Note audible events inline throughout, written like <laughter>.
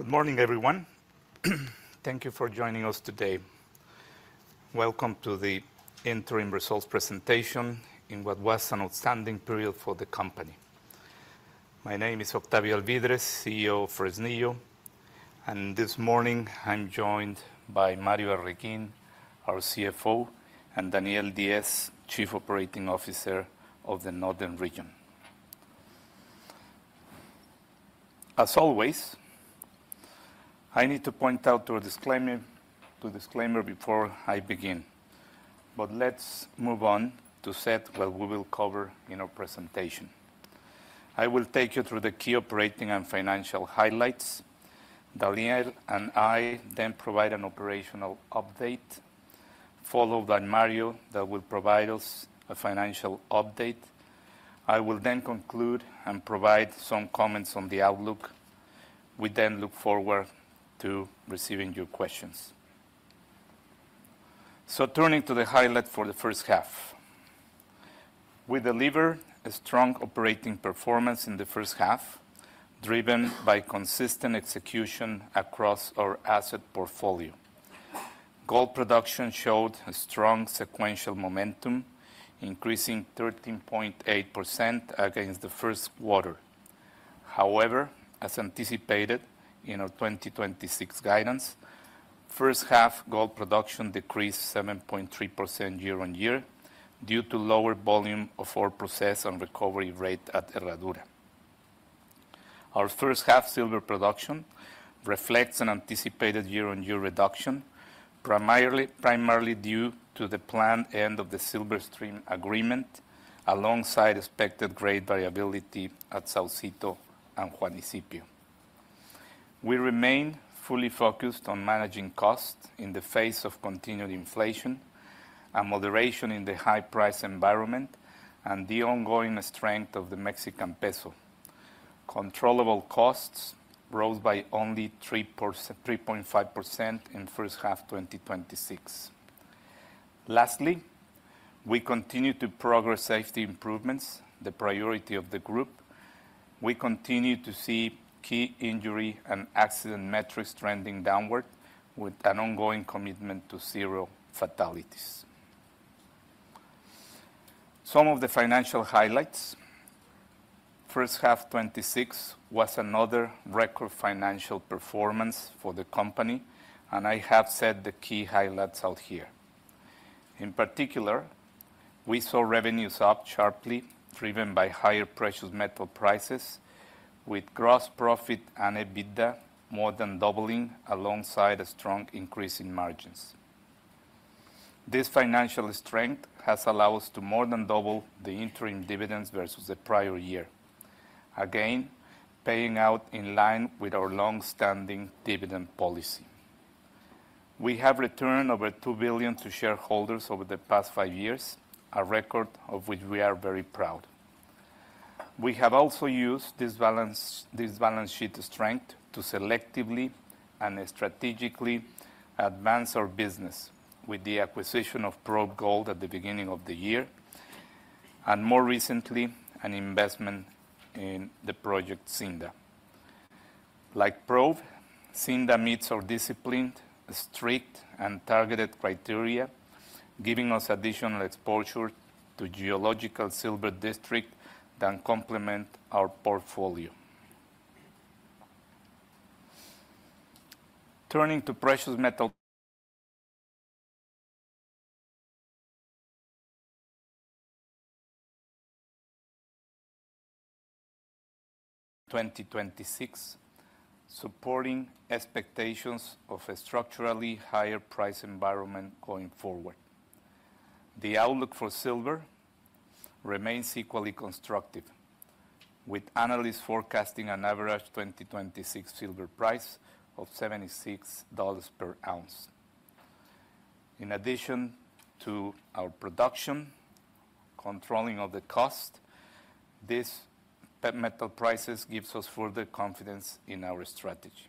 Good morning, everyone. Thank you for joining us today. Welcome to the interim results presentation in what was an outstanding period for the company. My name is Octavio Alvídrez, CEO of Fresnillo, and this morning, I am joined by Mario Arreguín, our CFO, and Daniel Diez, Chief Operating Officer of the Northern Region. As always, I need to point out to a disclaimer before I begin. But let's move on to set what we will cover in our presentation. I will take you through the key operating and financial highlights. Daniel and I then provide an operational update, followed by Mario, that will provide us a financial update. I will then conclude and provide some comments on the outlook. We then look forward to receiving your questions. So, turning to the highlights for the first half. We delivered a strong operating performance in the first half, driven by consistent execution across our asset portfolio. Gold production showed a strong sequential momentum, increasing 13.8% against the first quarter. However, as anticipated in our 2026 guidance, first-half gold production decreased 7.3% year-on-year due to lower volume of ore processed and recovery rate at Herradura. Our first half silver production reflects an anticipated year-on-year reduction, primarily due to the planned end of the Silverstream agreement, alongside expected grade variability at Saucito and Juanicipio. We remain fully focused on managing costs in the face of continued inflation and moderation in the high-price environment and the ongoing strength of the Mexican peso. Controllable costs rose by only 3.5% in first half 2026. Lastly, we continue to progress safety improvements, the priority of the group. We continue to see key injury and accident metrics trending downward with an ongoing commitment to zero fatalities. Some of the financial highlights. First half 2026 was another record financial performance for the company, and I have set the key highlights out here. In particular, we saw revenues up sharply, driven by higher precious metal prices, with gross profit and EBITDA more than doubling alongside a strong increase in margins. This financial strength has allowed us to more than double the interim dividends versus the prior year. Again, paying out in line with our long-standing dividend policy. We have returned over $2 billion to shareholders over the past five years, a record of which we are very proud. We have also used this balance sheet strength to selectively and strategically advance our business with the acquisition of Probe Gold at the beginning of the year, and more recently, an investment in the project Sinda. Like Probe, Sinda meets our disciplined, strict, and targeted criteria, giving us additional exposure to geological silver districts that complement our portfolio. Turning to precious metals <audio distortion> 2026, supporting expectations of a structurally higher price environment going forward. The outlook for silver remains equally constructive, with analysts forecasting an average 2026 silver price of $76/oz. In addition to our production, controlling of the costs, these <audio distortion> metal prices give us further confidence in our strategy.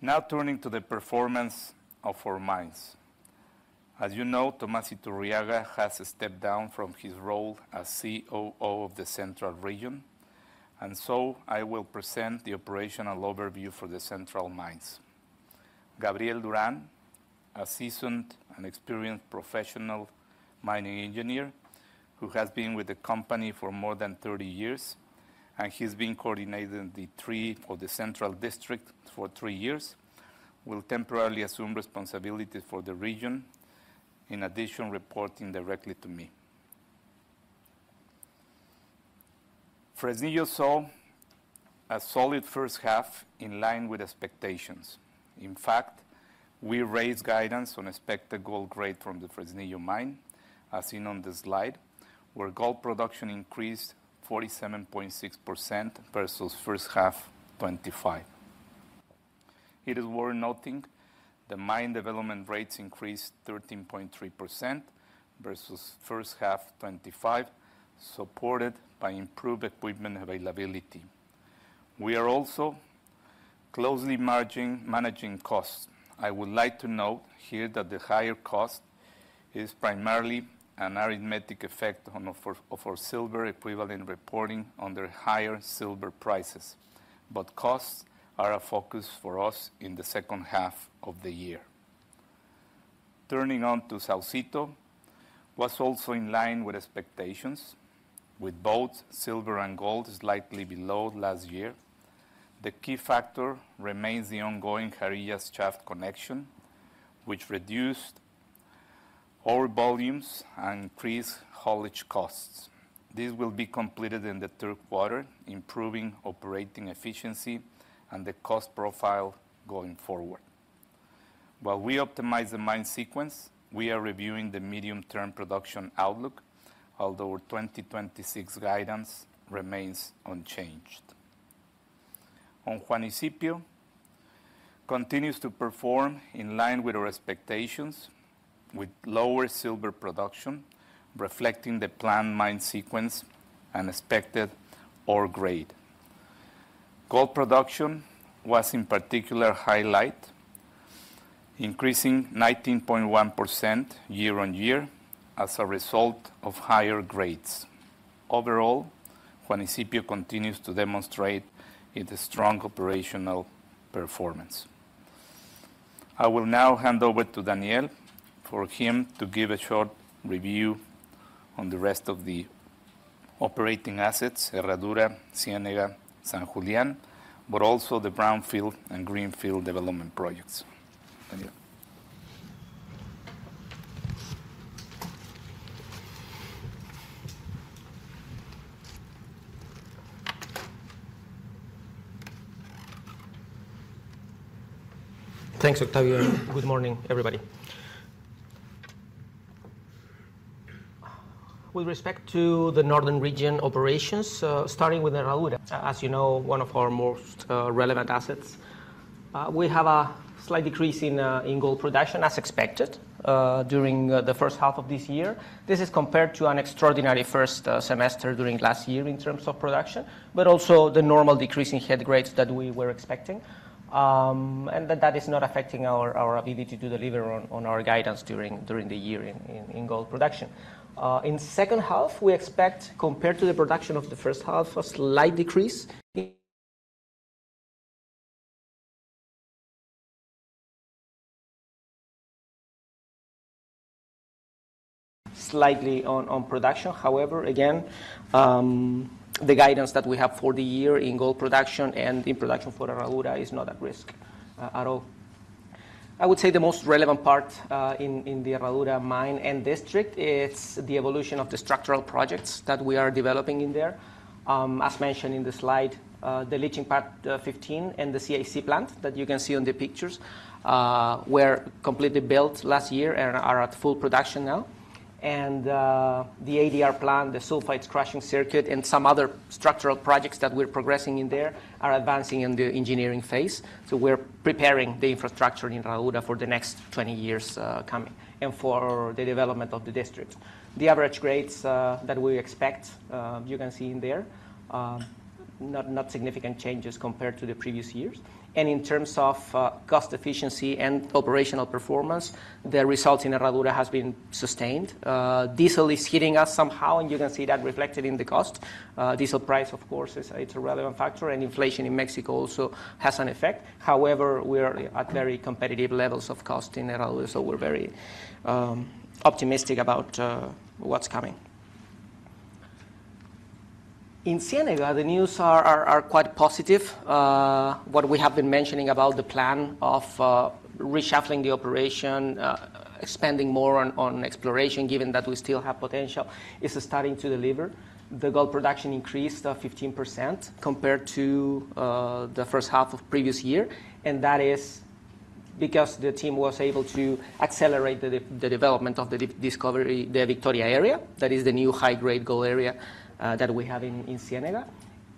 Now, turning to the performance of our mines. As you know, Tomás Iturriaga has stepped down from his role as COO of the Central Region, and so, I will present the operational overview for the Central mines. Gabriel Durán, a seasoned and experienced professional mining engineer who has been with the company for more than 30 years, and he's been coordinating the three for the Central district for three years, will temporarily assume responsibility for the region. In addition, reporting directly to me. Fresnillo saw a solid first half in line with expectations. In fact, we raised guidance on expected gold grade from the Fresnillo mine, as seen on this slide, where gold production increased 47.6% versus first half 2025. It is worth noting the mine development rates increased 13.3% versus first half 2025, supported by improved equipment availability. We are also closely managing costs. I would like to note here that the higher cost is primarily an arithmetic effect of our silver equivalent reporting under higher silver prices, but costs are a focus for us in the second half of the year. Turning on to Saucito, was also in line with expectations, with both silver and gold slightly below last year. The key factor remains the ongoing Jarillas shaft connection, which reduced ore volumes and increased haulage costs. This will be completed in the third quarter, improving operating efficiency and the cost profile going forward. While we optimize the mine sequence, we are reviewing the medium-term production outlook, although our 2026 guidance remains unchanged. On Juanicipio, continues to perform in line with our expectations, with lower silver production reflecting the planned mine sequence and expected ore grade. Gold production was in particular highlight, increasing 19.1% year-on-year as a result of higher grades. Overall, Juanicipio continues to demonstrate its strong operational performance. I will now hand over to Daniel for him to give a short review on the rest of the operating assets, Herradura, Ciénega, San Julián, but also the brownfield and greenfield development projects. Daniel. Thanks, Octavio. Good morning, everybody. With respect to the Northern Region operations, starting with Herradura, as you know, one of our most relevant assets. We have a slight decrease in gold production, as expected, during the first half of this year. This is compared to an extraordinary first semester during last year in terms of production, but also the normal decrease in head grades that we were expecting, and that is not affecting our ability to deliver on our guidance during the year in gold production. In second half, we expect, compared to the production of the first half, a slight decrease <audio distortion> slightly on production. However, again, the guidance that we have for the year in gold production and in production for Herradura is not at risk at all. I would say, the most relevant part in the Herradura mine and district is the evolution of the structural projects that we are developing there. As mentioned in the slide, the Leaching Pad XV and the CIC plant that you can see in the pictures were completely built last year and are at full production now. The ADR plant, the Sulphides Crushing Circuit, and some other structural projects that we're progressing there are advancing in the engineering phase. We're preparing the infrastructure in Herradura for the next 20 years coming and for the development of the district. The average grades that we expect, you can see in there. Not significant changes compared to the previous years. In terms of cost efficiency and operational performance, the results in Herradura have been sustained. Diesel is hitting us somehow, and you can see that reflected in the cost. Diesel price, of course, it's a relevant factor, and inflation in Mexico also has an effect. However, we are at very competitive levels of cost in Herradura, so we're very optimistic about what's coming. In Ciénega, the news are quite positive. What we have been mentioning about the plan of reshuffling the operation, expanding more on exploration, given that we still have potential, is starting to deliver. The gold production increased 15% compared to the first half of the previous year, and that is because the team was able to accelerate the development of the Victoria area. That is the new high-grade gold area that we have in Ciénega,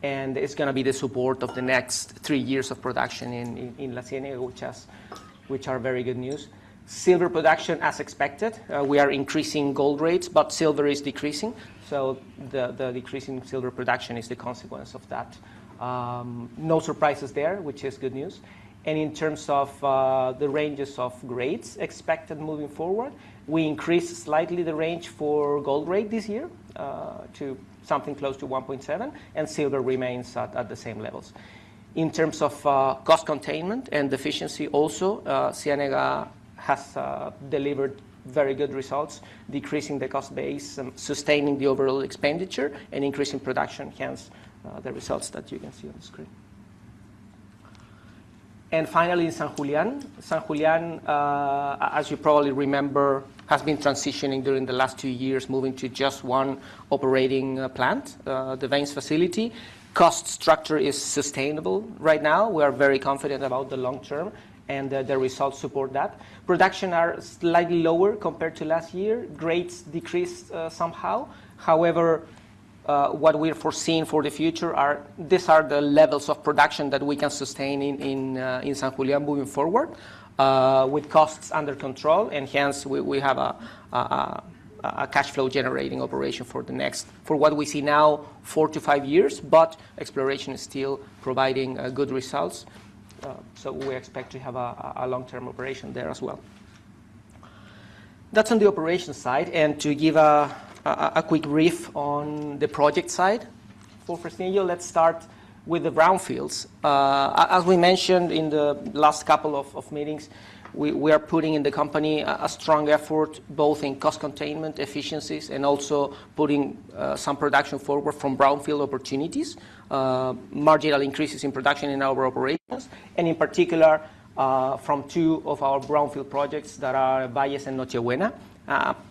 and it's going to be the support of the next three years of production in La Ciénega, which are very good news. Silver production, as expected, we are increasing gold rates, but silver is decreasing, so the decrease in silver production is the consequence of that. No surprises there, which is good news. In terms of the ranges of grades expected moving forward, we increased slightly the range for gold grade this year to something close to 1.7, and silver remains at the same levels. In terms of cost containment and efficiency also, Ciénega has delivered very good results, decreasing the cost base and sustaining the overall expenditure and increasing production, hence, the results that you can see on the screen. And finally, San Julián. San Julián, as you probably remember, has been transitioning during the last two years, moving to just one operating plant, the veins facility. Cost structure is sustainable right now. We are very confident about the long term, and the results support that. Production is slightly lower compared to last year. Grades decreased somehow. However, what we are foreseeing for the future are these are the levels of production that we can sustain in San Julián moving forward with costs under control. Hence, we have a cash flow-generating operation for what we see now, four to five years, but exploration is still providing good results. We expect to have a long-term operation there as well. That's on the operations side. To give a quick brief on the project side for Fresnillo, let's start with the brownfields. As we mentioned in the last couple of meetings, we are putting in the company a strong effort, both in cost containment efficiencies and also putting some production forward from brownfield opportunities. Marginal increases in production in our operations, and in particular, from two of our brownfield projects that are Valles and Noche Buena.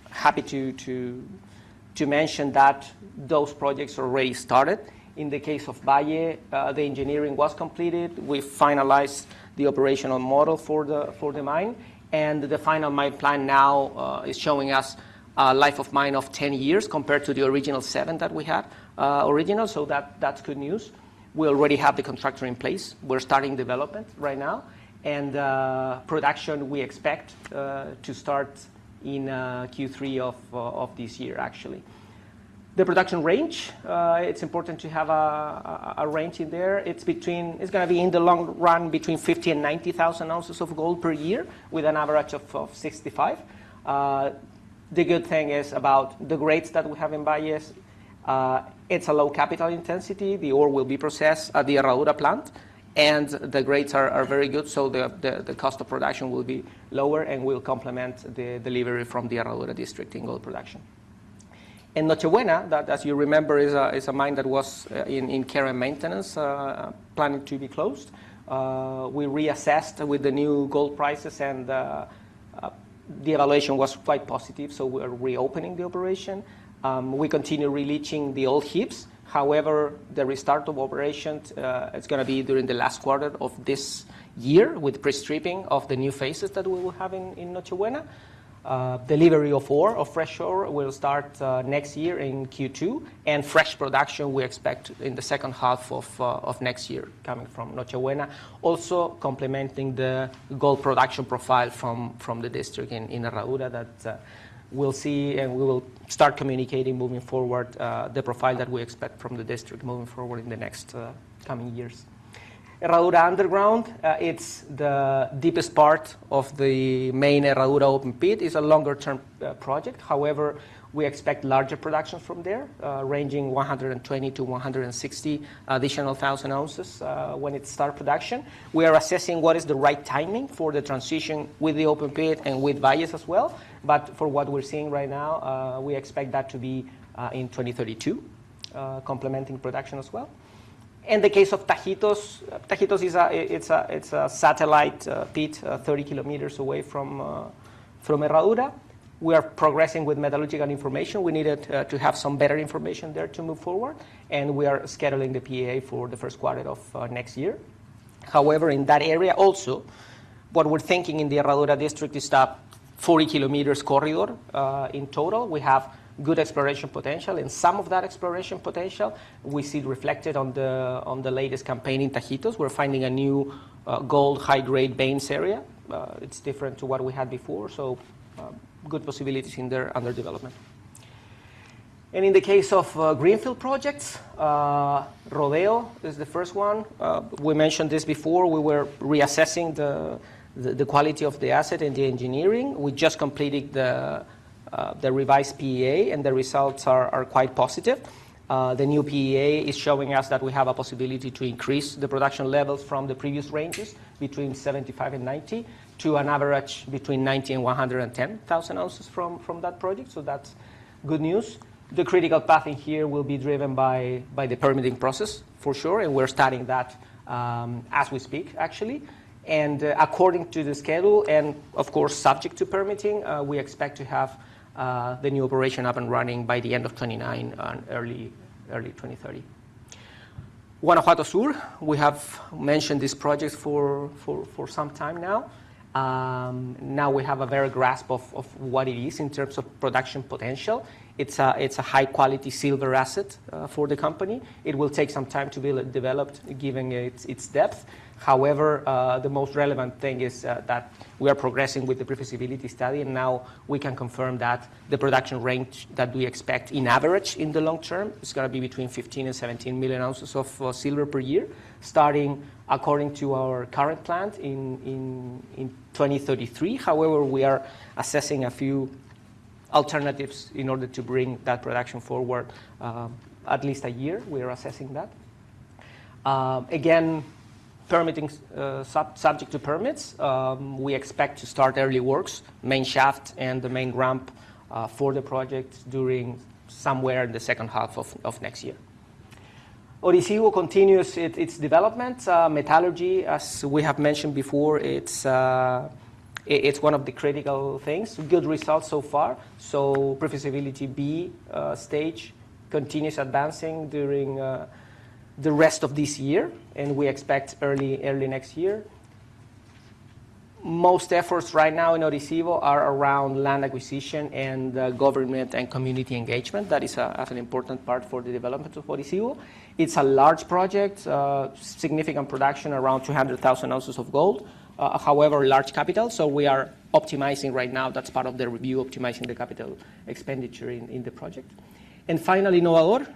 Happy to mention that those projects already started. In the case of Valles, the engineering was completed. We finalized the operational model for the mine, and the final mine plan now is showing us a life of mine of 10 years compared to the original seven that we had. So, that's good news. We already have the contractor in place. We're starting development right now, and production, we expect to start in Q3 of this year, actually. The production range, it's important to have a range in there. It's going to be in the long run between 50,000 oz and 90,000 oz of gold per year, with an average of 65,000 oz. The good thing is about the grades that we have in Valles, it's a low capital intensity. The ore will be processed at the Herradura plant, and the grades are very good, so the cost of production will be lower, and will complement the delivery from the Herradura district in gold production. In Noche Buena, that, as you remember, is a mine that was in care and maintenance, planned to be closed. We reassessed with the new gold prices, and the evaluation was quite positive, so we're reopening the operation. We continue releaching the old heaps, however, the restart of operations, it's going to be during the last quarter of this year with pre-stripping of the new phases that we will have in Noche Buena. Delivery of ore, of fresh ore, will start next year in Q2, and fresh production we expect in the second half of next year coming from Noche Buena. Also, complementing the gold production profile from the district in Herradura that we'll see, and we will start communicating moving forward, the profile that we expect from the district moving forward in the next coming years. Herradura Underground, it's the deepest part of the main Herradura open pit. It's a longer-term project. However, we expect larger production from there, ranging 120,000-160,000 additional ounces when it starts production. We are assessing what is the right timing for the transition with the open pit and with Valles as well. But for what we're seeing right now, we expect that to be in 2032, complementing production as well. In the case of Tajitos, Tajitos is a satellite pit 30 km away from Herradura. We are progressing with metallurgical information. We needed to have some better information there to move forward, and we are scheduling the PEA for the first quarter of next year. However, in that area also, what we're thinking in the Herradura district is that 40 km corridor in total, we have good exploration potential. In some of that exploration potential, we see it reflected on the latest campaign in Tajitos. We're finding a new gold high-grade veins area. It's different to what we had before, so good possibilities in their other development. In the case of greenfield projects, Rodeo is the first one. We mentioned this before. We were reassessing the quality of the asset and the engineering. We just completed the revised PEA, and the results are quite positive. The new PEA is showing us that we have a possibility to increase the production levels from the previous ranges between 75,000 oz and 90,000 oz to an average between 90,000 oz and 110,000 oz from that project. So, that's good news. The critical path in here will be driven by the permitting process for sure. We're starting that as we speak, actually. According to the schedule, and of course, subject to permitting, we expect to have the new operation up and running by the end of 2029 and early 2030. Guanajuato Sur, we have mentioned this project for some time now. Now, we have a better grasp of what it is in terms of production potential. It's a high-quality silver asset for the company. It will take some time to be developed, given its depth. However, the most relevant thing is that we are progressing with the prefeasibility study, and now, we can confirm that the production range that we expect on average in the long term is going to be between 15 million ounces and 17 million ounces of silver per year, starting according to our current plan in 2033. However, we are assessing a few alternatives in order to bring that production forward at least a year. We are assessing that. Again, subject to permits, we expect to start early works, main shaft, and the main ramp for the project during somewhere in the second half of next year. Orisyvo continues its development. Metallurgy, as we have mentioned before, it's one of the critical things. Good results so far. So, prefeasibility B stage continues advancing during the rest of this year, and we expect early next year. Most efforts right now in Orisyvo are around land acquisition and government and community engagement. That is an important part for the development of Orisyvo. It's a large project, significant production, around 200,000 oz of gold. However, large capital, so we are optimizing right now. That's part of the review, optimizing the capital expenditure in the project. And finally, Novador,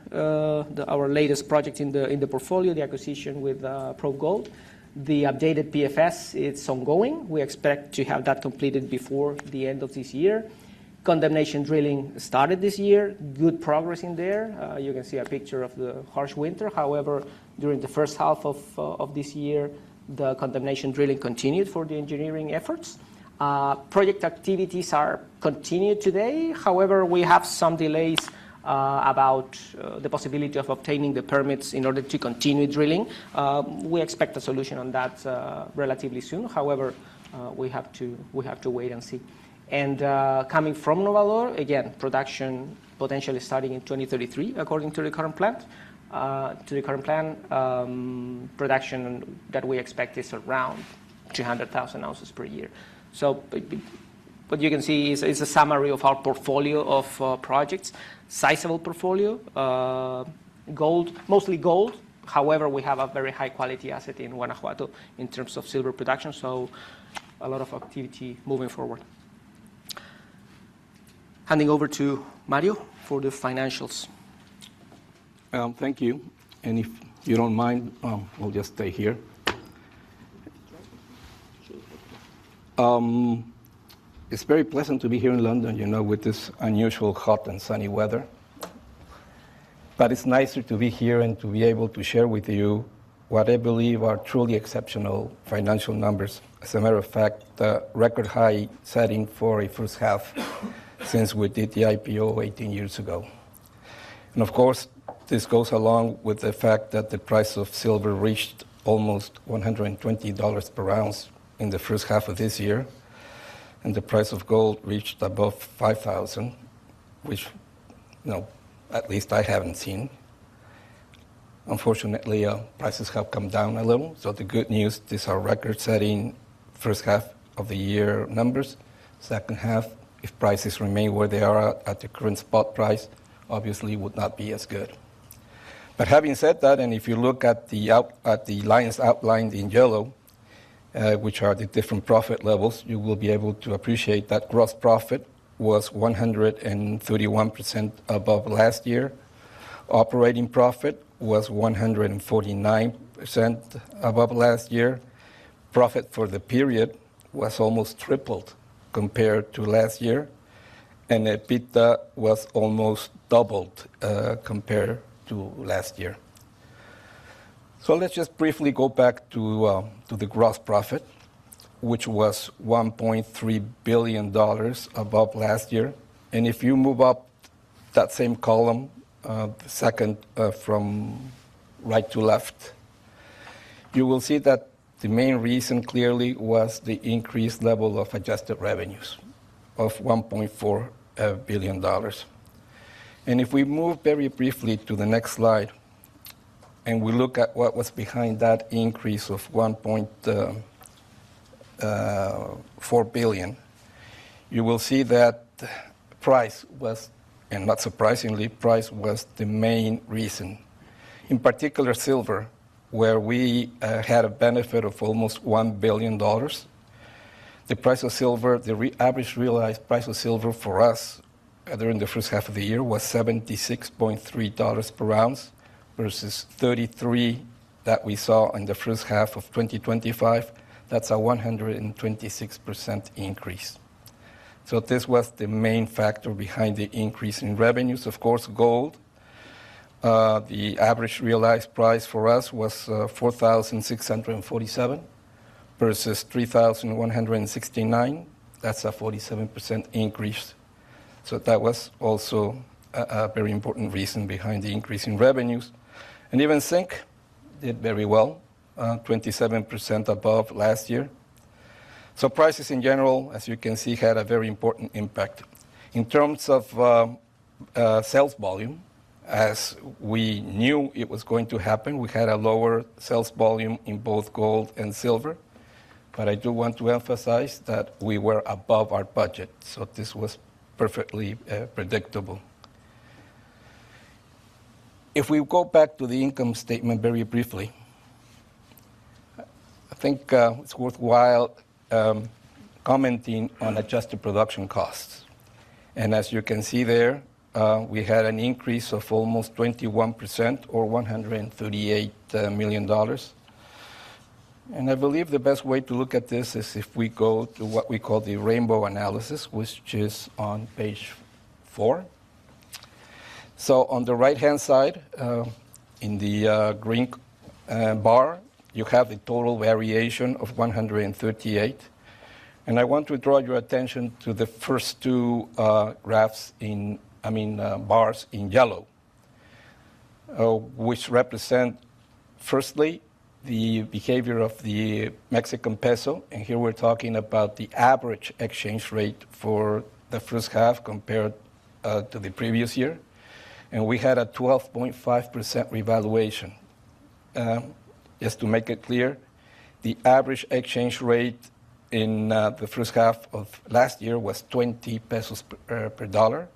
our latest project in the portfolio, the acquisition with Probe Gold. The updated PFS, it's ongoing. We expect to have that completed before the end of this year. Condemnation drilling started this year. Good progress in there. You can see a picture of the harsh winter. However, during the first half of this year, the condemnation drilling continued for the engineering efforts. Project activities are continued today. However, we have some delays about the possibility of obtaining the permits in order to continue drilling. We expect a solution on that relatively soon. However, we have to wait and see. Coming from Novador, again, production potentially starting in 2033, according to the current plan. Production that we expect is around 200,000 oz/yr. What you can see is a summary of our portfolio of projects. Sizeable portfolio. Mostly gold. However, we have a very high-quality asset in Guanajuato in terms of silver production, so, a lot of activity moving forward. Handing over to Mario for the financials. Thank you. If you don't mind, I'll just stay here. You can stay. It's very pleasant to be here in London, with this unusual hot and sunny weather. But it's nicer to be here and to be able to share with you what I believe are truly exceptional financial numbers. As a matter of fact, the record high setting for a first half since we did the IPO 18 years ago. Of course, this goes along with the fact that the price of silver reached almost $120/oz in the first half of this year, and the price of gold reached above $5,000, which at least, I haven't seen. Unfortunately, prices have come down a little. So, the good news, this is our record-setting first half of the year numbers. Second half, if prices remain where they are at the current spot price, obviously, would not be as good. Having said that, and if you look at the lines outlined in yellow, which are the different profit levels, you will be able to appreciate that gross profit was 131% above last year. Operating profit was 149% above last year. Profit for the period was almost tripled compared to last year. And EBITDA was almost doubled compared to last year. Let's just briefly go back to the gross profit, which was $1.3 billion above last year. If you move up that same column, the second from right to left, you will see that the main reason clearly was the increased level of adjusted revenues of $1.4 billion. If we move very briefly to the next slide and we look at what was behind that increase of $1.4 billion, you will see that price was, and not surprisingly, price was the main reason. In particular, silver, where we had a benefit of almost $1 billion. The price of silver, the average realized price of silver for us during the first half of the year was $76.30/oz versus $33/oz that we saw in the first half of 2025. That's a 126% increase. This was the main factor behind the increase in revenues. Of course, gold, the average realized price for us was $4,647 versus $3,169. That's a 47% increase. That was also a very important reason behind the increase in revenues. And even zinc did very well, 27% above last year. So, prices in general, as you can see, had a very important impact. In terms of sales volume, as we knew it was going to happen, we had a lower sales volume in both gold and silver. But I do want to emphasize that we were above our budget, so this was perfectly predictable. If we go back to the income statement very briefly, I think it's worthwhile commenting on adjusted production costs. As you can see there, we had an increase of almost 21% or $138 million. I believe the best way to look at this is if we go to what we call the rainbow analysis, which is on page four. On the right-hand side, in the green bar, you have the total variation of $138 million. I want to draw your attention to the first two graphs, I mean, bars in yellow, which represent, firstly, the behavior of the Mexican peso. Here, we're talking about the average exchange rate for the first half compared to the previous year. We had a 12.5% revaluation. Just to make it clear, the average exchange rate in the first half of last year was 20 pesos per dollar.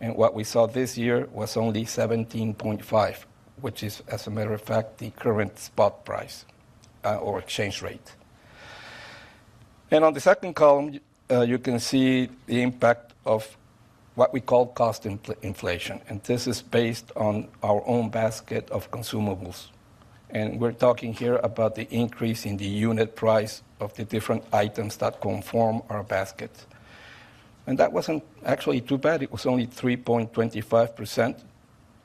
What we saw this year was only 17.5, which is, as a matter of fact, the current spot price or exchange rate. On the second column, you can see the impact of what we call cost inflation, and this is based on our own basket of consumables. We're talking here about the increase in the unit price of the different items that conform our basket. That wasn't actually too bad. It was only 3.25%,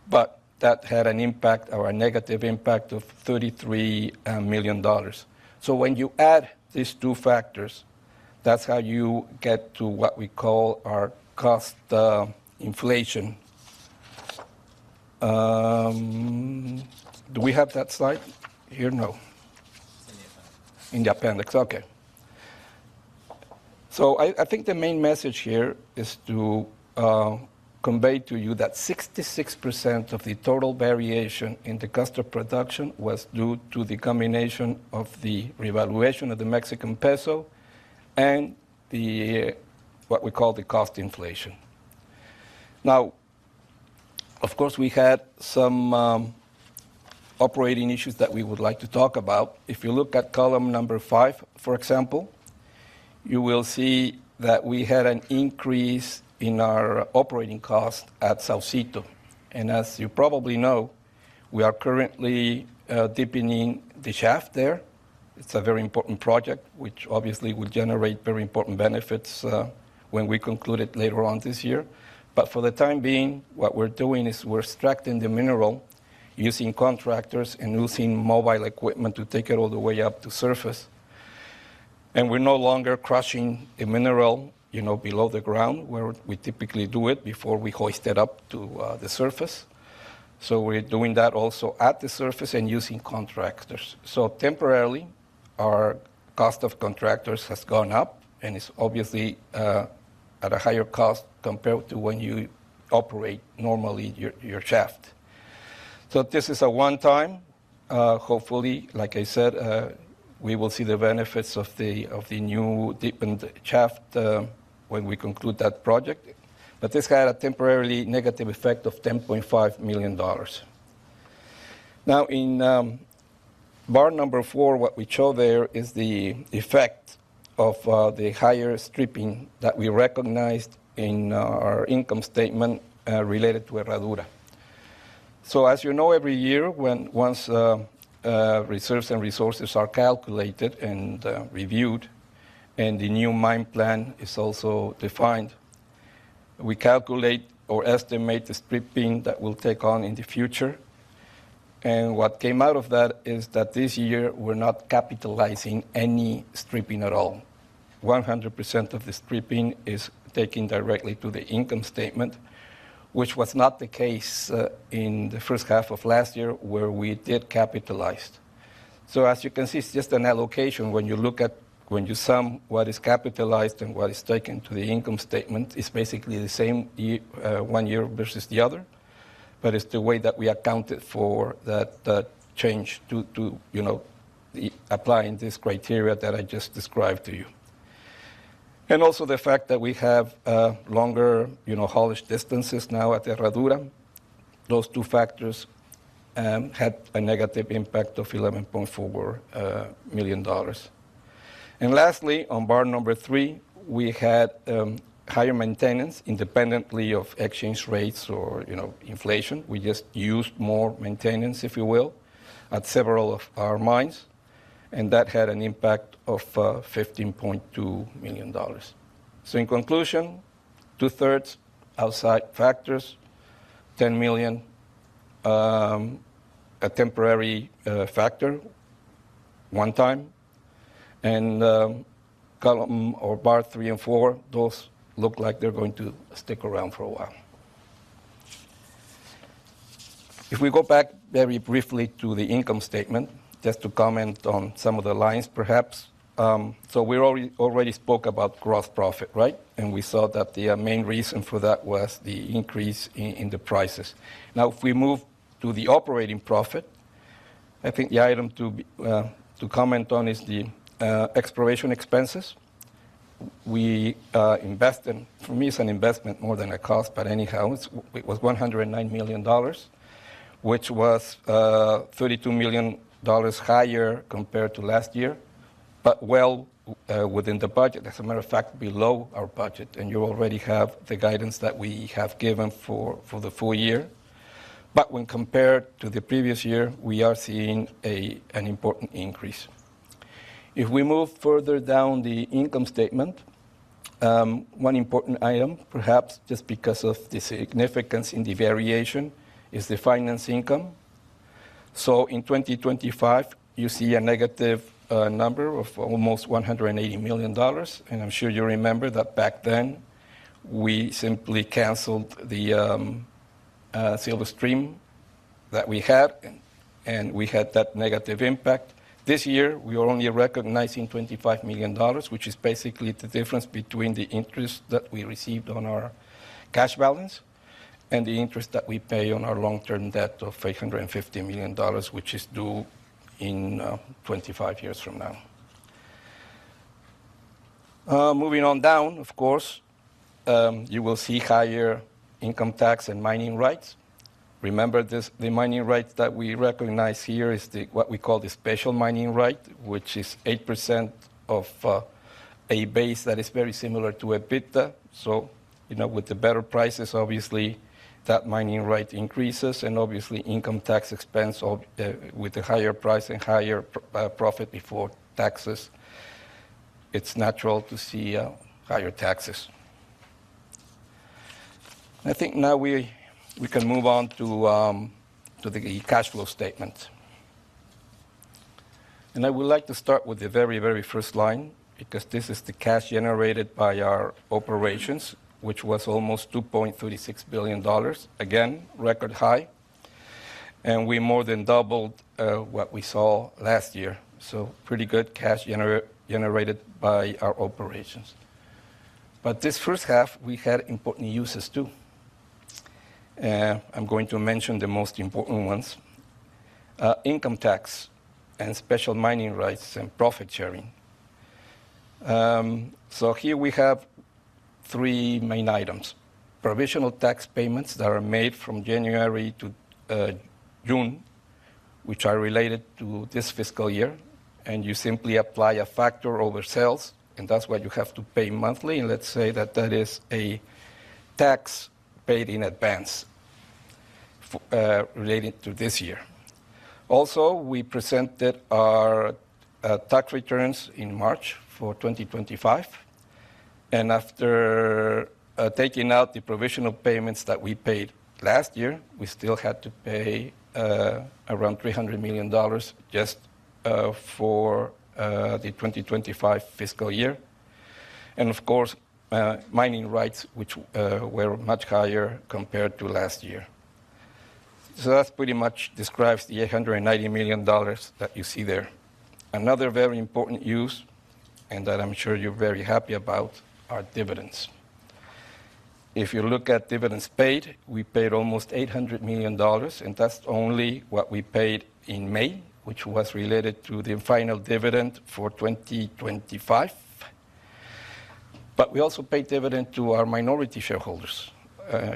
but that had an impact or a negative impact of $33 million. When you add these two factors, that's how you get to what we call our cost inflation. Do we have that slide here? No. In the appendix. Okay. I think the main message here is to convey to you that 66% of the total variation in the cost of production was due to the combination of the revaluation of the Mexican peso and what we call the cost inflation. Now, of course, we had some operating issues that we would like to talk about. If you look at column number five, for example, you will see that we had an increase in our operating cost at Saucito. As you probably know, we are currently deepening the shaft there. It's a very important project, which obviously, will generate very important benefits when we conclude it later on this year. But for the time being, what we're doing is we're extracting the mineral using contractors and using mobile equipment to take it all the way up to surface. We're no longer crushing the mineral below the ground where we typically do it before we hoist it up to the surface. We're doing that also at the surface and using contractors. Temporarily, our cost of contractors has gone up, and it's obviously at a higher cost compared to when you operate normally your shaft. This is a one-time. Hopefully, like I said, we will see the benefits of the new deepened shaft when we conclude that project. This had a temporarily negative effect of $10.5 million. Now, in bar number four, what we show there is the effect of the higher stripping that we recognized in our income statement related to Herradura. As you know, every year, once reserves and resources are calculated and reviewed and the new mine plan is also defined, we calculate or estimate the stripping that we'll take on in the future. What came out of that is that this year, we're not capitalizing any stripping at all. 100% of the stripping is taken directly to the income statement, which was not the case in the first half of last year where we did capitalize. As you can see, it's just an allocation when you sum what is capitalized and what is taken to the income statement. It's basically the same one year versus the other. But it's the way that we accounted for that change to applying this criteria that I just described to you. And also, the fact that we have longer haulage distances now at Herradura. Those two factors had a negative impact of $11.4 million. Lastly, on bar number three, we had higher maintenance independently of exchange rates or inflation. We just used more maintenance, if you will, at several of our mines, and that had an impact of $15.2 million. In conclusion, 2/3 outside factors, $10 million a temporary factor one time, and bar three and four, those look like they're going to stick around for a while. If we go back very briefly to the income statement, just to comment on some of the lines perhaps. We already spoke about gross profit, right? We saw that the main reason for that was the increase in the prices. Now, if we move to the operating profit, I think the item to comment on is the exploration expenses. We invest in, for me, it's an investment more than a cost, but anyhow, it was $109 million, which was $32 million higher compared to last year, but well within the budget. As a matter of fact, below our budget, and you already have the guidance that we have given for the full year. But when compared to the previous year, we are seeing an important increase. If we move further down the income statement, one important item, perhaps just because of the significance in the variation, is the finance income. In 2025, you see a negative number of almost $180 million. I'm sure you remember that back then, we simply canceled the Silverstream that we had, and we had that negative impact. This year, we are only recognizing $25 million, which is basically the difference between the interest that we received on our cash balance and the interest that we pay on our long-term debt of $350 million, which is due in 25 years from now. Moving on down, of course, you will see higher income tax and mining rights. Remember, the mining rights that we recognize here is what we call the special mining right, which is 8% of a base that is very similar to EBITDA. With the better prices, obviously, that mining right increases, and obviously, income tax expense with the higher price and higher profit before taxes, it's natural to see higher taxes. I think, now, we can move on to the cash flow statement. I would like to start with the very first line, because this is the cash generated by our operations, which was almost $2.36 billion. Again, record high. We more than doubled what we saw last year, so pretty good cash generated by our operations. But this first half, we had important uses, too. I'm going to mention the most important ones: income tax, and special mining rights, and profit sharing. Here, we have three main items. Provisional tax payments that are made from January to June, which are related to this fiscal year, and you simply apply a factor over sales, and that's what you have to pay monthly, and let's say that that is a tax paid in advance related to this year. Also, we presented our tax returns in March for 2025, and after taking out the provisional payments that we paid last year, we still had to pay around $300 million just for the 2025 fiscal year. And of course, mining rights, which were much higher compared to last year. That pretty much describes the $890 million that you see there. Another very important use, and that I'm sure you're very happy about, are dividends. If you look at dividends paid, we paid almost $800 million, and that's only what we paid in May, which was related to the final dividend for 2025. We also paid dividend to our minority shareholders.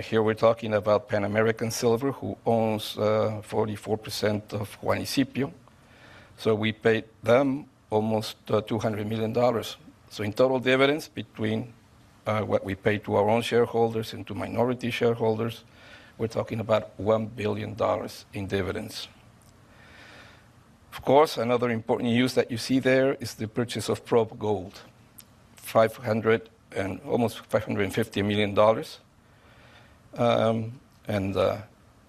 Here, we're talking about Pan American Silver, who owns 44% of Juanicipio. We paid them almost $200 million. In total dividends between what we paid to our own shareholders and to minority shareholders, we're talking about $1 billion in dividends. Of course, another important use that you see there is the purchase of Probe Gold. Almost $550 million.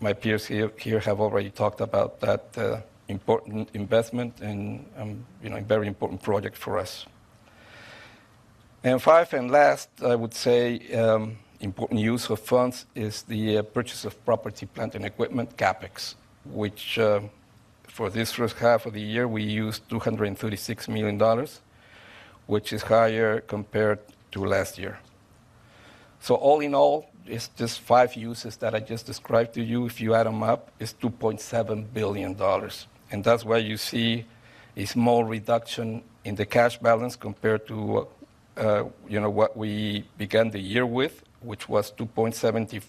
My peers here have already talked about that important investment and a very important project for us. Fifth and last, I would say, important use of funds is the purchase of property, plant, and equipment CapEx, which for this first half of the year, we used $236 million, which is higher compared to last year. All in all, it's just five uses that I just described to you. If you add them up, it's $2.7 billion. That's why you see a small reduction in the cash balance compared to what we began the year with, which was $2.76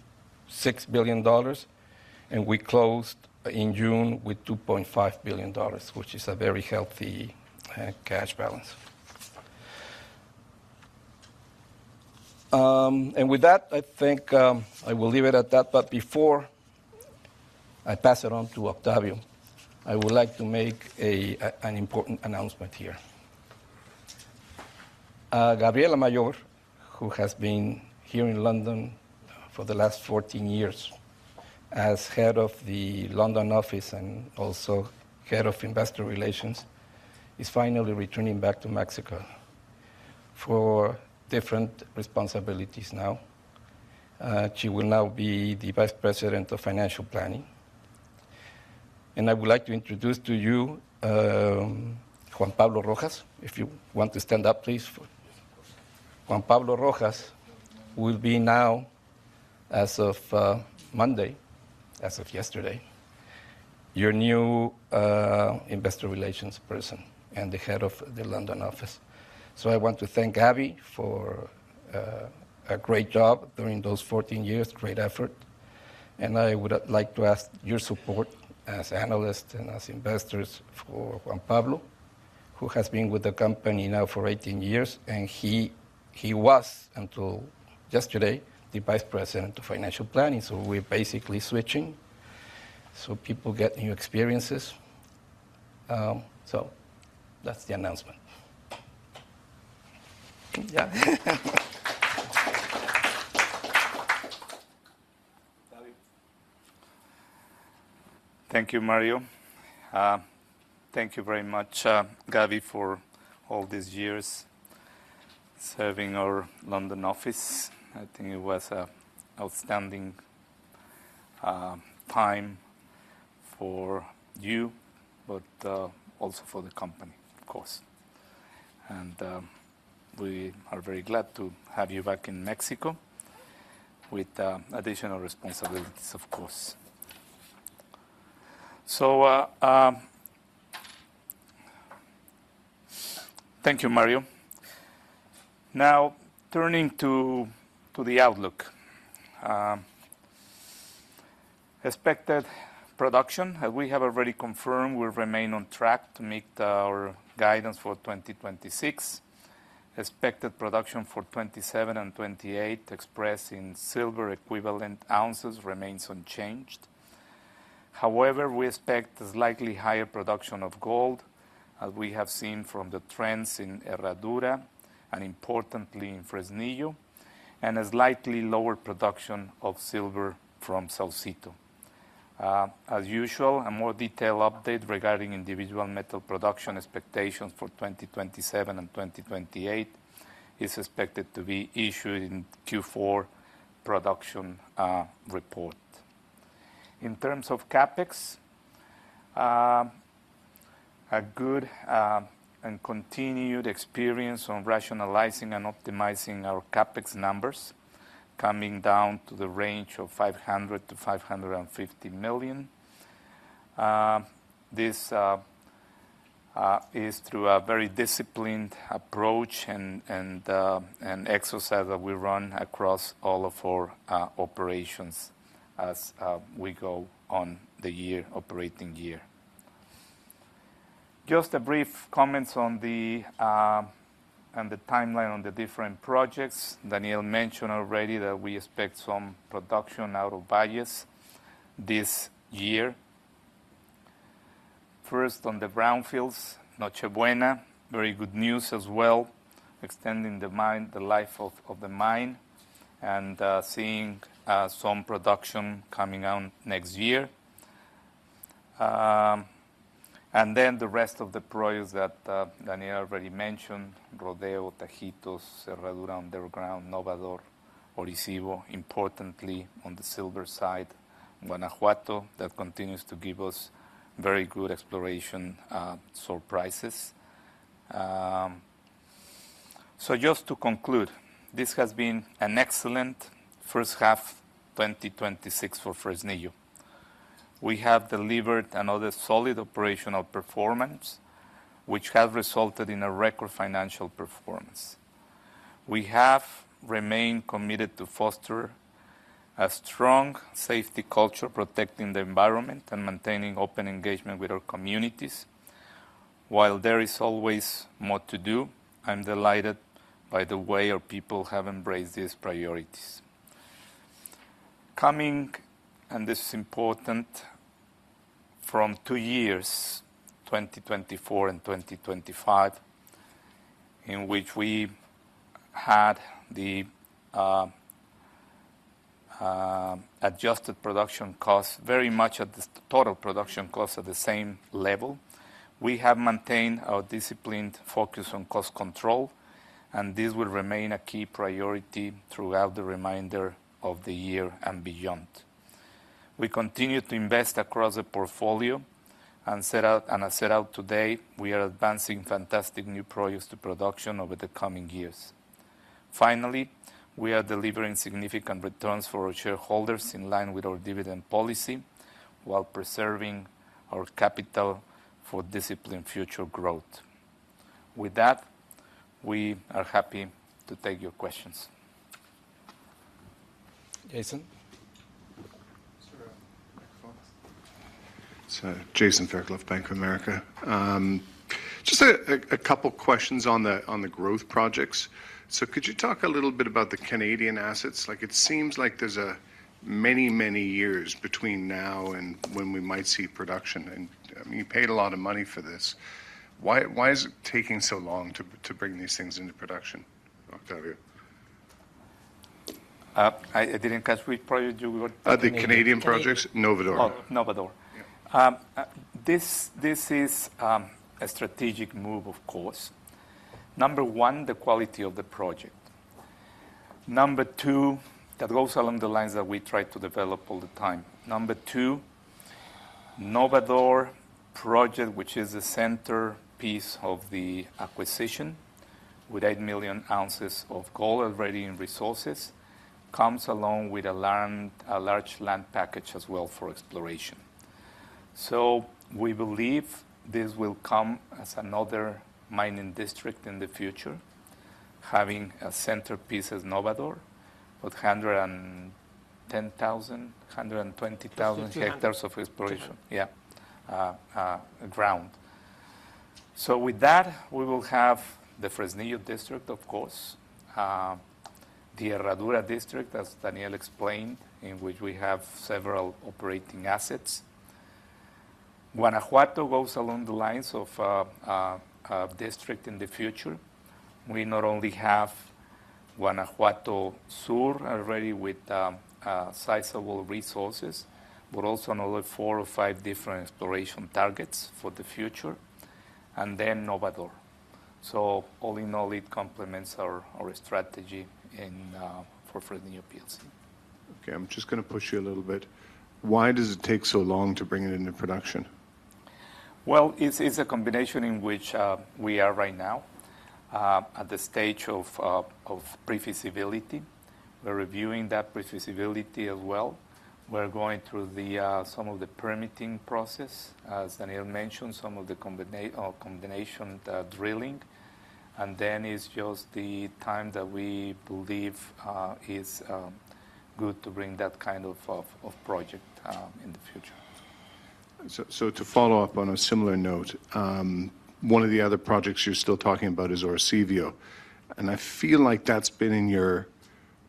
billion. We closed in June with $2.5 billion, which is a very healthy cash balance. With that, I think I will leave it at that. Before I pass it on to Octavio, I would like to make an important announcement here. Gabriela Mayor, who has been here in London for the last 14 years as Head of the London Office and also Head of Investor Relations, is finally returning back to Mexico for different responsibilities now. She will now be the Vice President of Financial Planning. And I would like to introduce to you Juan Pablo Rojas. If you want to stand up, please. Yes, of course. Juan Pablo Rojas will be now, as of Monday, as of yesterday, your new Investor Relations Person and the Head of the London Office. I want to thank Gabby for a great job during those 14 years, great effort, and I would like to ask your support as analysts and as investors for Juan Pablo, who has been with the company now for 18 years, and he was, until yesterday, the Vice President of Financial Planning. We're basically switching so people get new experiences. That's the announcement. Yeah. Octavio. Thank you, Mario. Thank you very much, Gabby, for all these years serving our London office. I think it was a outstanding time for you, but also for the company, of course. We are very glad to have you back in Mexico with additional responsibilities, of course. Thank you, Mario. Now, turning to the outlook. Expected production, we have already confirmed we remain on track to meet our guidance for 2026. Expected production for 2027 and 2028 expressed in silver equivalent ounces remains unchanged. However, we expect a slightly higher production of gold as we have seen from the trends in Herradura and importantly in Fresnillo, and a slightly lower production of silver from Saucito. As usual, a more detailed update regarding individual metal production expectations for 2027 and 2028 is expected to be issued in Q4 production report. In terms of CapEx, a good and continued experience on rationalizing and optimizing our CapEx numbers, coming down to the range of $500 million-$550 million. This is through a very disciplined approach and exercise that we run across all of our operations as we go on the operating year. Just a brief comment on the timeline on the different projects. Daniel mentioned already that we expect some production out of Valles this year. First on the brownfields, Noche Buena, very good news as well, extending the life of the mine and seeing some production coming on next year. And then, the rest of the projects that Daniel already mentioned, Rodeo, Tajitos, Herradura Underground, Novador, Orisyvo. Importantly, on the silver side, Guanajuato, that continues to give us very good exploration surprises. Just to conclude, this has been an excellent first half 2026 for Fresnillo. We have delivered another solid operational performance, which has resulted in a record financial performance. We have remained committed to foster a strong safety culture, protecting the environment and maintaining open engagement with our communities. While there is always more to do, I'm delighted by the way our people have embraced these priorities. Coming, and this is important, from two years, 2024 and 2025, in which we had the adjusted production cost very much at the total production cost at the same level, we have maintained our disciplined focus on cost control, and this will remain a key priority throughout the remainder of the year and beyond. We continue to invest across the portfolio as set out today, we are advancing fantastic new projects to production over the coming years. Finally, we are delivering significant returns for our shareholders in line with our dividend policy while preserving our capital for disciplined future growth. With that, we are happy to take your questions. Jason? Sure. Microphones. Jason Fairclough, Bank of America. Just a couple of questions on the growth projects. Could you talk a little bit about the Canadian assets? It seems like there's many, many years between now and when we might see production. You paid a lot of money for this. Why is it taking so long to bring these things into production? Octavio? I didn't catch which project you were talking. The Canadian projects, Novador. Oh, Novador. Yeah. This is a strategic move, of course. Number one, the quality of the project. Number two, that goes along the lines that we try to develop all the time. Number two, Novador project, which is the centerpiece of the acquisition with 8 million ounces of gold already in resources, comes along with a large land package as well for exploration. We believe this will come as another mining district in the future, having a centerpiece as Novador with 110,000, 120,000 hectares of exploration. Yeah. Ground. With that, we will have the Fresnillo district, of course. The Herradura district, as Daniel explained, in which we have several operating assets. Guanajuato goes along the lines of a district in the future. We not only have Guanajuato Sur already with sizable resources, but also another four or five different exploration targets for the future, and then Novador. All in all, it complements our strategy for Fresnillo plc. Okay. I'm just going to push you a little bit. Why does it take so long to bring it into production? Well, it's a combination in which we are, right now, at the stage of prefeasibility. We're reviewing that prefeasibility as well. We're going through some of the permitting process, as Daniel mentioned, some of the condemnation drilling. And then, it's just the time that we believe is good to bring that kind of project in the future. To follow up on a similar note, one of the other projects you're still talking about is Orisyvo, and I feel like that's been in your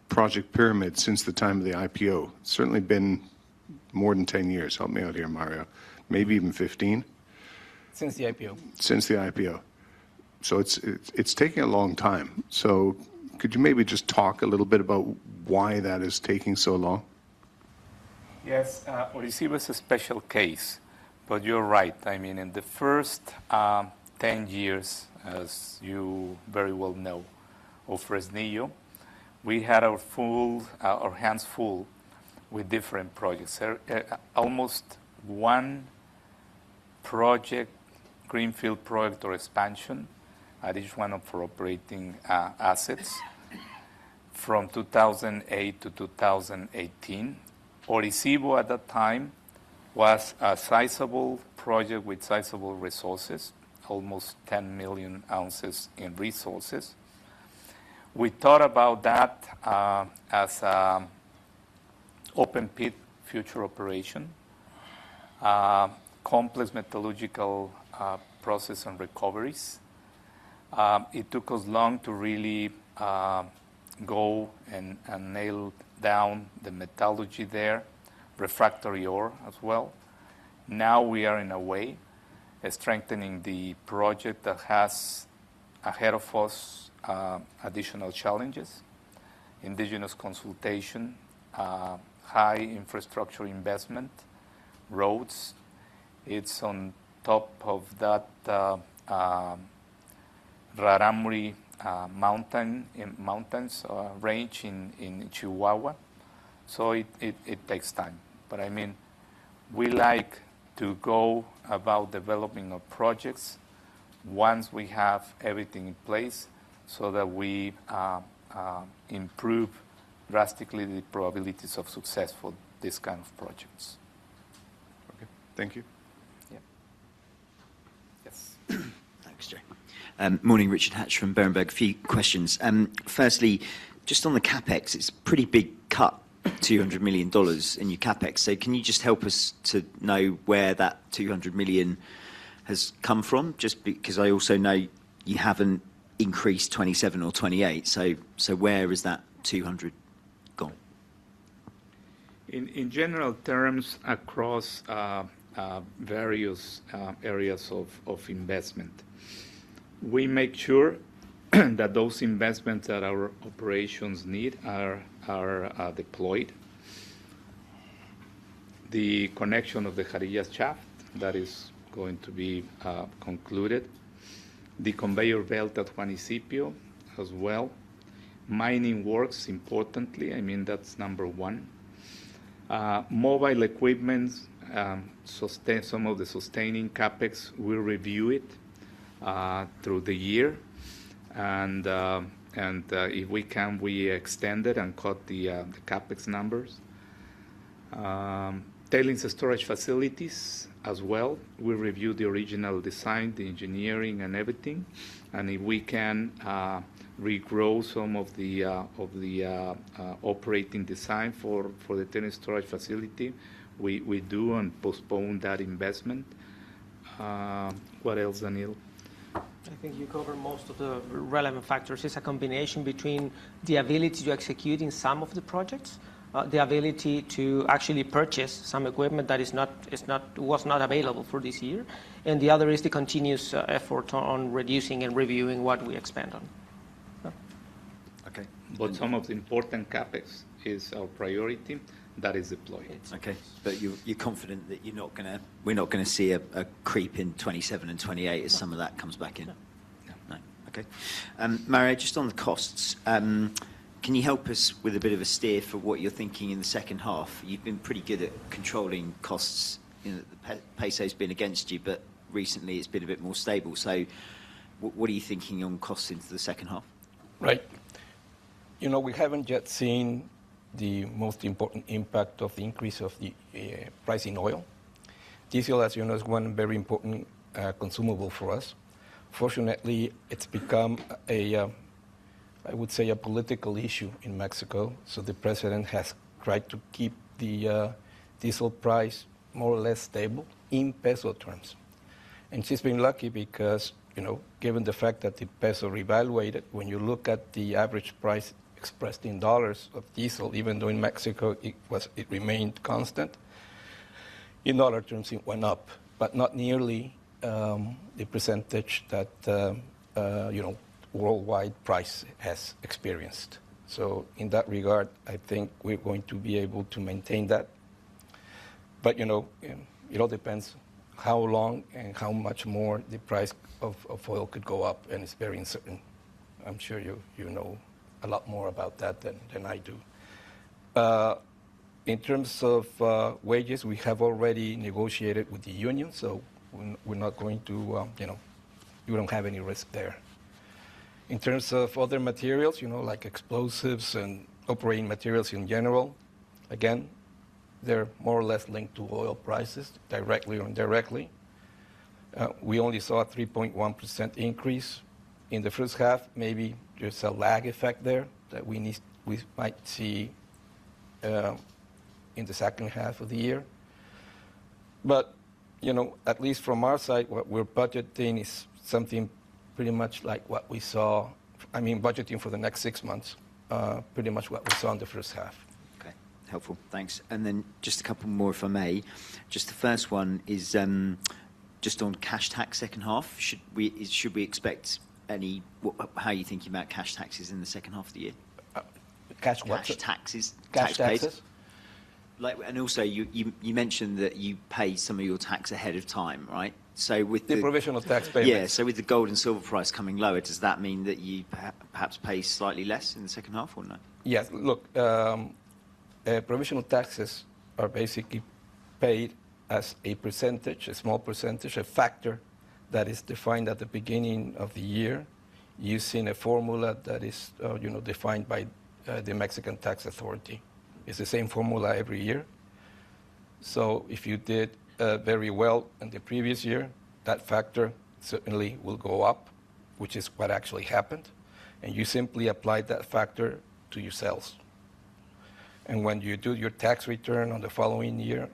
project pyramid since the time of the IPO. Certainly, been more than 10 years. Help me out here, Mario. Maybe even 15? Since the IPO. Since the IPO. So, it's taking a long time, so could you maybe just talk a little bit about why that is taking so long? Yes. Orisyvo was a special case, but you're right. In the first 10 years, as you very well know, of Fresnillo, we had our hands full with different projects. Almost one greenfield project or expansion at each one of our operating assets from 2008 to 2018. Orisyvo, at that time, was a sizable project with sizable resources, almost 10 million ounces in resources. We thought about that as an open-pit future operation, complex metallurgical process and recoveries. It took us long to really go and nail down the metallurgy there, refractory ore as well. Now, we are in a way of strengthening the project that has ahead of us additional challenges, indigenous consultation, high infrastructure investment, roads. It's on top of that Rarámuri mountain range in Chihuahua, so it takes time. But I mean, we like to go about developing of projects once we have everything in place, so that we improve drastically the probabilities of success for these kinds of projects. Okay. Thank you. Yeah. Yes. Thanks, Jay. Morning. Richard Hatch from Berenberg. A few questions. Firstly, just on the CapEx, it's a pretty big cut, $200 million in your CapEx. Can you just help us to know where that $200 million has come from? Just because I also know you haven't increased 2027 or 2028, so where has that $200 million gone? In general terms, across various areas of investment. We make sure that those investments that our operations need are deployed. The connection of the Jarillas shaft, that is going to be concluded. The conveyor belt at Juanicipio as well. Mining works, importantly, I mean, that's number one. Mobile equipment, some of the sustaining CapEx, we'll review it through the year, and if we can, we extend it and cut the CapEx numbers. Tailings storage facilities as well. We review the original design, the engineering, and everything, and if we can regrow some of the operating design for the tailings storage facility, we do and postpone that investment. What else, Daniel? I think you covered most of the relevant factors. It's a combination between the ability to executing some of the projects, the ability to actually purchase some equipment that was not available for this year. And the other is the continuous effort on reducing and reviewing what we expand on. Okay. But some of the important CapEx is our priority. That is deployed. Okay. You're confident that we're not going to see a creep in 2027 and 2028 as some of that comes back in? No. No. Okay. Mario, just on the costs, can you help us with a bit of a steer for what you're thinking in the second half? You've been pretty good at controlling costs. The peso's been against you, but recently, it's been a bit more stable. So, what are you thinking on costs into the second half? Right. We haven't yet seen the most important impact of the increase of the price in oil. Diesel, as you know, is one very important consumable for us. Fortunately, it's become, I would say, a political issue in Mexico, so the president has tried to keep the diesel price more or less stable in peso terms. She's been lucky because given the fact that the peso revaluated, when you look at the average price expressed in dollars of diesel, even though in Mexico it remained constant, in dollar terms, it went up. But not nearly the percentage that worldwide price has experienced. In that regard, I think we're going to be able to maintain that. But it all depends how long and how much more the price of oil could go up, and it's very uncertain. I'm sure you know a lot more about that than I do. In terms of wages, we have already negotiated with the union, so we don't have any risk there. In terms of other materials, like explosives and operating materials in general, again, they're more or less linked to oil prices, directly or indirectly. We only saw a 3.1% increase in the first half. Maybe, there's a lag effect there that we might see in the second half of the year. But at least from our side, what we're budgeting is something pretty much like budgeting for the next six months, pretty much what we saw in the first half. Okay. Helpful. Thanks. And then, just a couple more, if I may. Just the first one is just on cash tax second half. How are you thinking about cash taxes in the second half of the year? Cash what? Cash taxes. Cash taxes? Also, you mentioned that you pay some of your tax ahead of time, right? The provisional tax payment. Yeah. With the gold and silver price coming lower, does that mean that you perhaps pay slightly less in the second half or no? Yes. Look, provisional taxes are basically paid as a small percentage, a factor that is defined at the beginning of the year using a formula that is defined by the Mexican tax authority. It's the same formula every year. If you did very well in the previous year, that factor certainly will go up, which is what actually happened. You simply apply that factor to your sales. When you do your tax return on the following year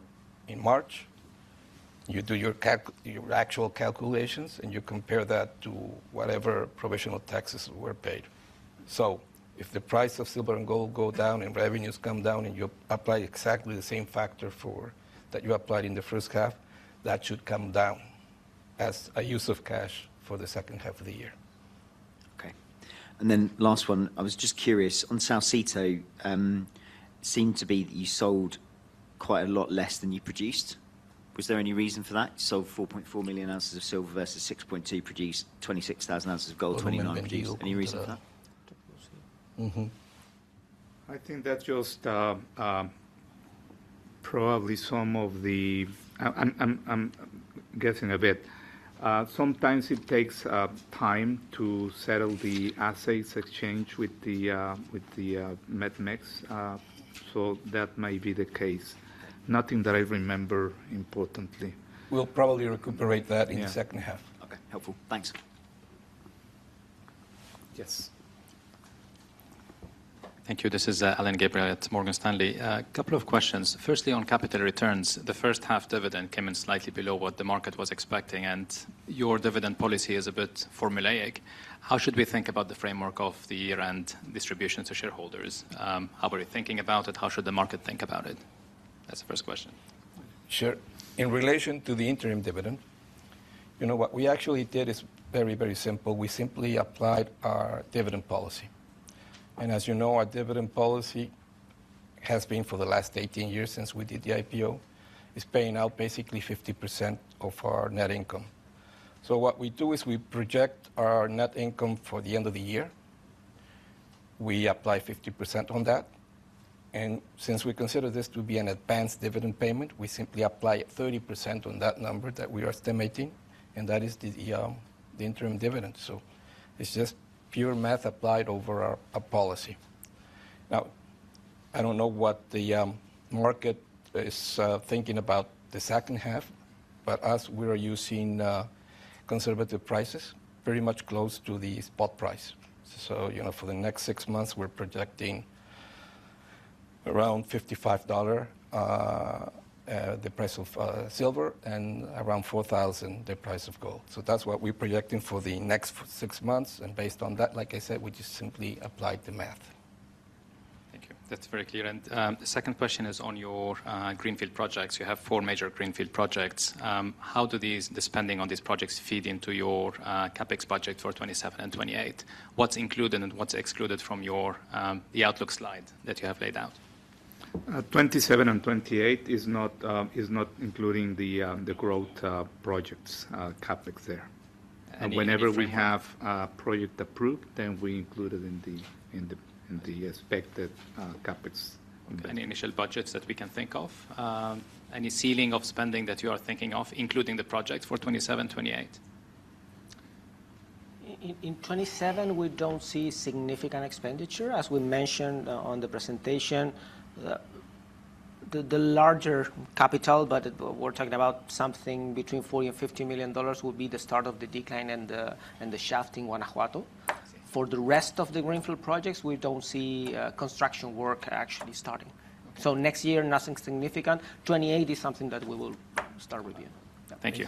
in March, you do your actual calculations, and you compare that to whatever provisional taxes were paid. If the price of silver and gold go down, and revenues come down, and you apply exactly the same factor that you applied in the first half, that should come down as a use of cash for the second half of the year. Okay. Last one, I was just curious, on Saucito, it seemed to be that you sold quite a lot less than you produced. Was there any reason for that? You sold 4.4 million ounces of silver versus 6.2 million produced, 26,000 oz of gold. <crosstalk> Any reason for that? I think that's just probably some of the, I'm guessing a bit. Sometimes, it takes time to settle the assets exchange with the Met-Mex, so that might be the case. Nothing that I remember importantly. We'll probably recuperate that in the second half. Yeah. Okay, helpful. Thanks. Yes. Thank you. This is Alain Gabriel at Morgan Stanley. A couple of questions. Firstly, on capital returns, the first-half dividend came in slightly below what the market was expecting, and your dividend policy is a bit formulaic. How should we think about the framework of the year-end distribution to shareholders? How are you thinking about it? How should the market think about it? That's the first question. Sure. In relation to the interim dividend, what we actually did is very, very simple. We simply applied our dividend policy. As you know, our dividend policy has been for the last 18 years since we did the IPO, is paying out basically 50% of our net income. What we do is we project our net income for the end of the year. We apply 50% on that. And since we consider this to be an advanced dividend payment, we simply apply 30% on that number that we are estimating, and that is the interim dividend. It's just pure math applied over our policy. I don't know what the market is thinking about the second half, but as we are using conservative prices, very much close to the spot price. For the next six months, we're projecting around $55 the price of silver, and around $4,000 the price of gold. That's what we're projecting for the next six months, and based on that, like I said, we just simply apply the math. Thank you. That's very clear. The second question is on your greenfield projects. You have four major greenfield projects. How do the spending on these projects feed into your CapEx budget for 2027 and 2028? What's included and what's excluded from the outlook slide that you have laid out? 2027 and 2028 is not including the growth projects, CapEx there. If we. Whenever we have a project approved, then we include it in the expected CapEx. Okay. Any initial budgets that we can think of? Any ceiling of spending that you are thinking of, including the projects for 2027, 2028? In 2027, we don't see significant expenditure. As we mentioned on the presentation, the larger capital, but we're talking about something between $40 million-$50 million, will be the start of the decline and the shaft in Guanajuato. For the rest of the greenfield projects, we don't see construction work actually starting. Next year, nothing significant. 2028 is something that we will start with you.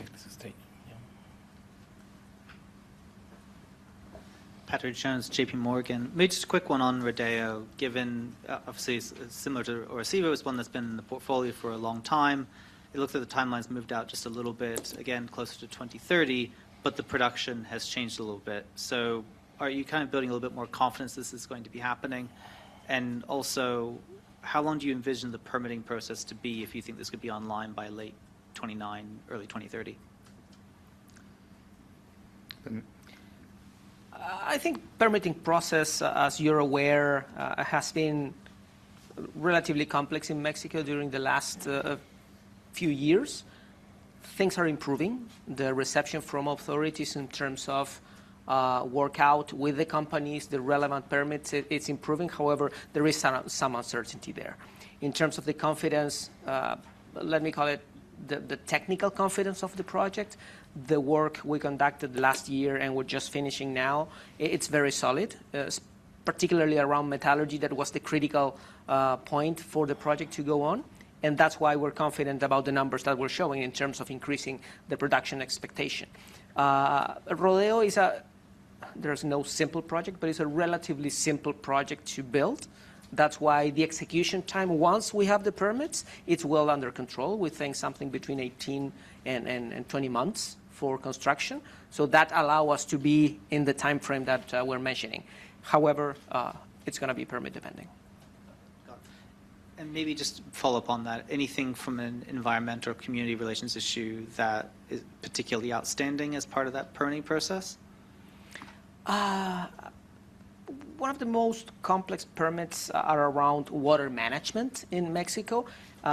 Thank you. This is taken. Yeah. Patrick Jones, JPMorgan. Maybe just a quick one on Rodeo. Given, obviously, similar to Orisyvo, it's one that's been in the portfolio for a long time. It looks like the timeline's moved out just a little bit, again, closer to 2030, but the production has changed a little bit. Are you kind of building a little bit more confidence this is going to be happening? And also, how long do you envision the permitting process to be if you think this could be online by late 2029, early 2030? I think permitting process, as you're aware, has been relatively complex in Mexico during the last few years. Things are improving. The reception from authorities in terms of workout with the companies, the relevant permits, it's improving. However, there is some uncertainty there. In terms of the confidence, let me call it the technical confidence of the project, the work we conducted last year and we're just finishing now, it's very solid. Particularly around metallurgy, that was the critical point for the project to go on, and that's why we're confident about the numbers that we're showing in terms of increasing the production expectation. Rodeo, there's no simple project, but it's a relatively simple project to build. That's why, the execution time, once we have the permits, it's well under control. We think something between 18 and 20 months for construction. That allow us to be in the timeframe that we're mentioning. However, it's going to be permit depending. Got it. Maybe, just follow up on that. Anything from an environmental community relations issue that is particularly outstanding as part of that permitting process? One of the most complex permits are around water management in Mexico.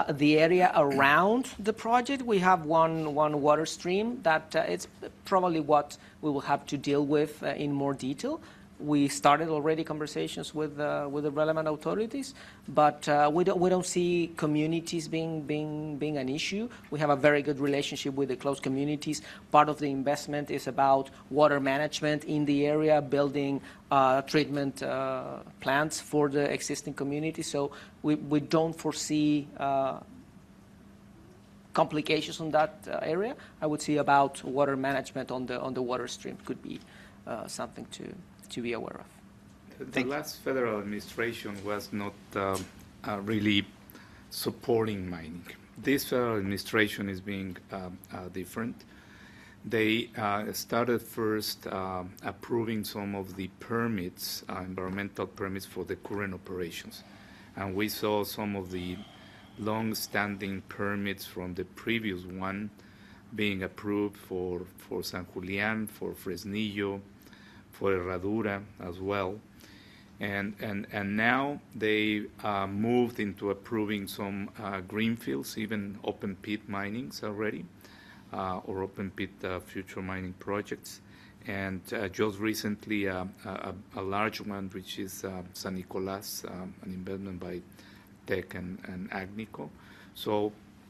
The area around the project, we have one water stream. That is probably what we will have to deal with in more detail. We started already conversations with the relevant authorities, but we don't see communities being an issue. We have a very good relationship with the close communities. Part of the investment is about water management in the area, building treatment plants for the existing community. We don't foresee complications on that area. I would say about water management on the water stream could be something to be aware of. Thank you. The last federal administration was not really supporting mining. This administration is being different. They started first approving some of the permits, environmental permits for the current operations. We saw some of the longstanding permits from the previous one being approved for San Julián, for Fresnillo, for Herradura as well. And now, they've moved into approving some greenfields, even open-pit minings already, or open-pit future mining projects. Just recently, a large one, which is San Nicolás, an investment by Teck and Agnico.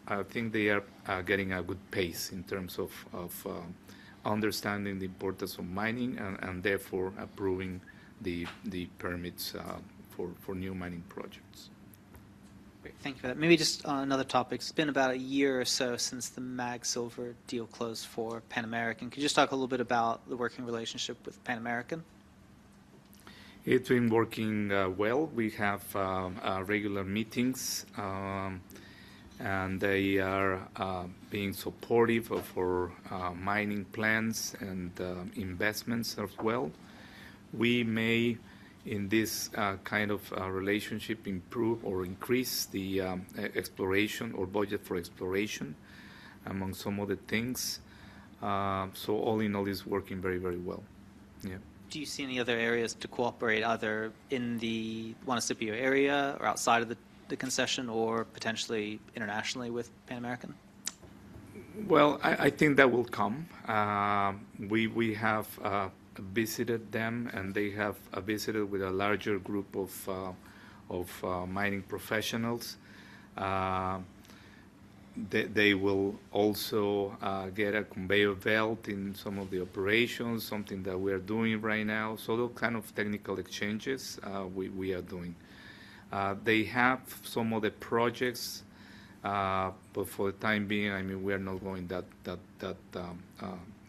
I think they are getting a good pace in terms of understanding the importance of mining and therefore, approving the permits for new mining projects. Great. Thank you for that. Maybe, just on another topic. It's been about a year or so since the MAG Silver deal closed for Pan American. Can you just talk a little bit about the working relationship with Pan American? It's been working well. We have regular meetings, and they are being supportive of our mining plans and investments as well. We may, in this kind of relationship, improve or increase the exploration or budget for exploration, among some other things. All in all, it's working very well. Yeah. Do you see any other areas to cooperate, either in the Guanaceví area or outside of the concession or potentially internationally with Pan American? I think that will come. We have visited them, and they have visited with a larger group of mining professionals. They will also get a conveyor belt in some of the operations, something that we're doing right now. Those kind of technical exchanges we are doing. They have some other projects, but for the time being, we are not going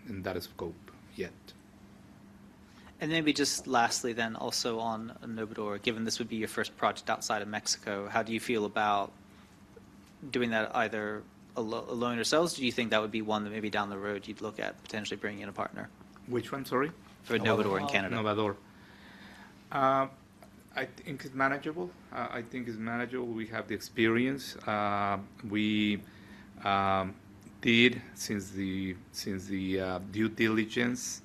in that scope yet. Maybe, just lastly then also on Novador, given this would be your first project outside of Mexico. How do you feel about doing that either alone yourselves, or do you think that would be one that maybe down the road, you'd look at potentially bringing in a partner? Which one, sorry? For Novador in Canada. Novador. I think it's manageable. We have the experience. We did, since the due diligence,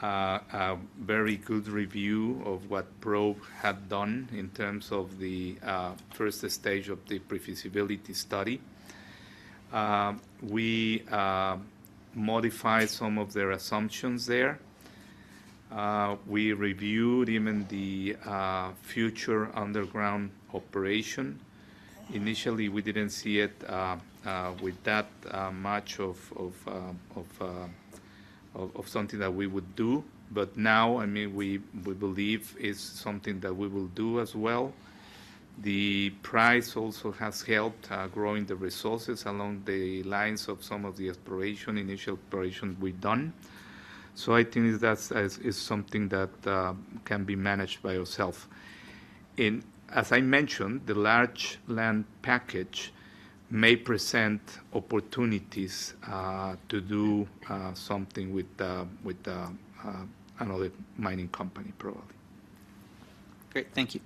a very good review of what Probe had done in terms of the first stage of the prefeasibility study. We modified some of their assumptions there. We reviewed even the future underground operation. Initially, we didn't see it with that much of something that we would do. But now, we believe it's something that we will do as well. The price also has helped growing the resources along the lines of some of the exploration, initial exploration we've done. I think that is something that can be managed by ourself. As I mentioned, the large land package may present opportunities to do something with another mining company, probably. Great. Thank you.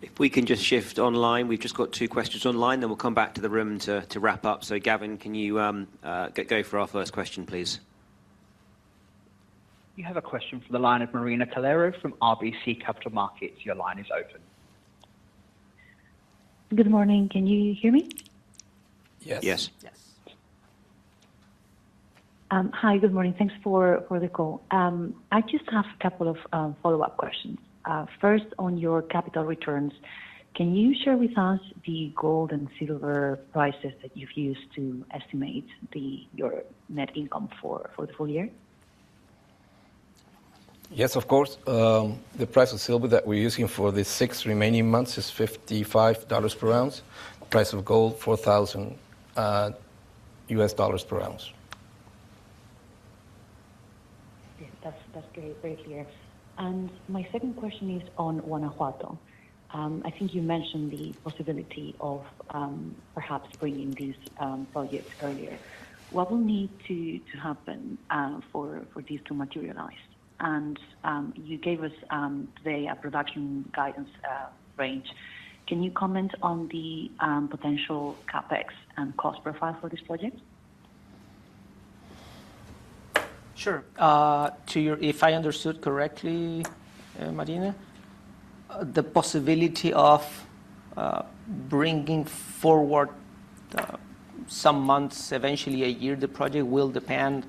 If we can just shift online. We've just got two questions online, then we'll come back to the room to wrap up. Gavin, can you go for our first question, please? You have a question from the line of Marina Calero from RBC Capital Markets. Your line is open. Good morning. Can you hear me? Yes. Yes. Yes. Hi. Good morning. Thanks for the call. I just have a couple of follow-up questions. First, on your capital returns, can you share with us the gold and silver prices that you've used to estimate your net income for the full year? Yes, of course. The price of silver that we're using for the six remaining months is $55/oz. Price of gold, $4,000/oz. Yes. That's great. Very clear. My second question is on Guanajuato. I think you mentioned the possibility of perhaps bringing these projects earlier. What will need to happen for these to materialize? You gave us, today, a production guidance range. Can you comment on the potential CapEx and cost profile for this project? Sure. If I understood correctly, Marina, the possibility of bringing forward some months, eventually a year, the project will depend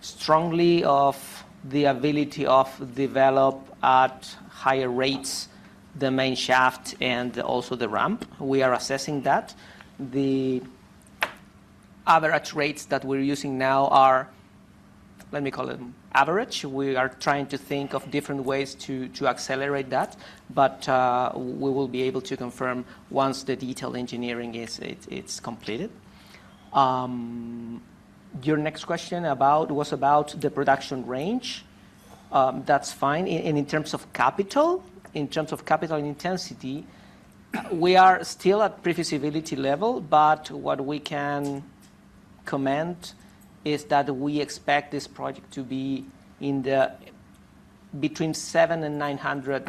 strongly off the ability of develop at higher rates the main shaft and also the ramp. We are assessing that. The other rates that we're using now are, let me call it average. We are trying to think of different ways to accelerate that, but we will be able to confirm once the detailed engineering is completed. Your next question was about the production range. That's fine. In terms of capital intensity, we are still at prefeasibility level, but what we can comment is that we expect this project to be between $700 million and $900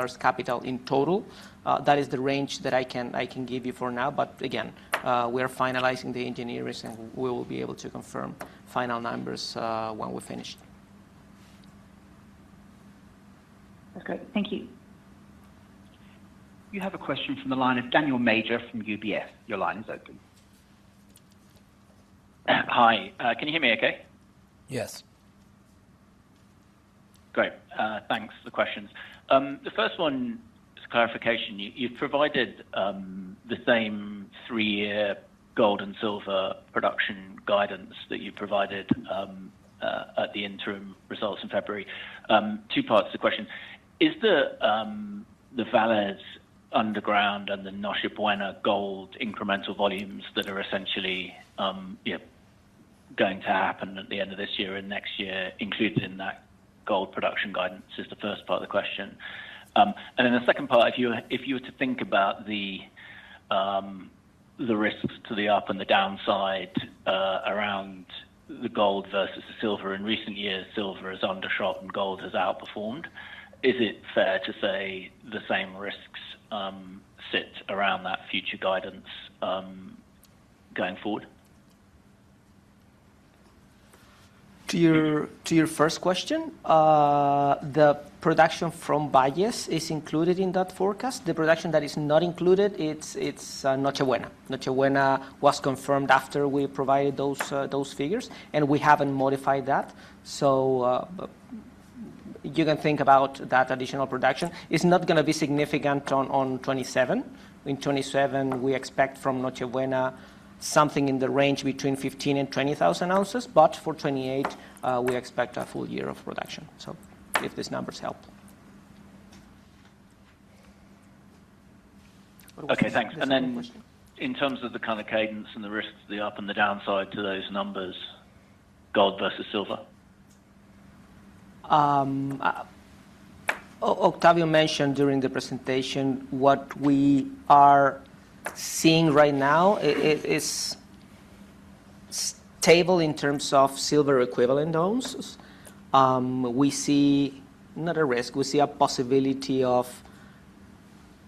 million capital in total. That is the range that I can give you for now. Again, we are finalizing the engineering, and we will be able to confirm final numbers when we're finished. That's great. Thank you. You have a question from the line of Daniel Major from UBS. Your line is open. Hi. Can you hear me okay? Yes. Great. Thanks for the questions. The first one is clarification. You've provided the same three-year gold and silver production guidance that you provided at the interim results in February. Two parts to the question. Is the Valles Underground and the Noche Buena gold incremental volumes that are essentially going to happen at the end of this year and next year included in that gold production guidance? Is the first part of the question. Then, the second part, if you were to think about the risks to the up and the downside around the gold versus the silver. In recent years, silver has undershot and gold has outperformed. Is it fair to say the same risks sit around that future guidance going forward? To your first question, the production from Valles is included in that forecast. The production that is not included, it's Noche Buena. Noche Buena was confirmed after we provided those figures, and we haven't modified that, so you can think about that additional production. It's not going to be significant on 2027. In 2027, we expect from Noche Buena, something in the range between 15,000 oz and 20,000 oz. But for 2028, we expect a full year of production. If these numbers help. Okay, thanks. Then, in terms of the kind of cadence and the risks of the up and the downside to those numbers, gold versus silver. Octavio mentioned during the presentation what we are seeing right now is stable in terms of silver equivalent ounces. We see not a risk, we see a possibility of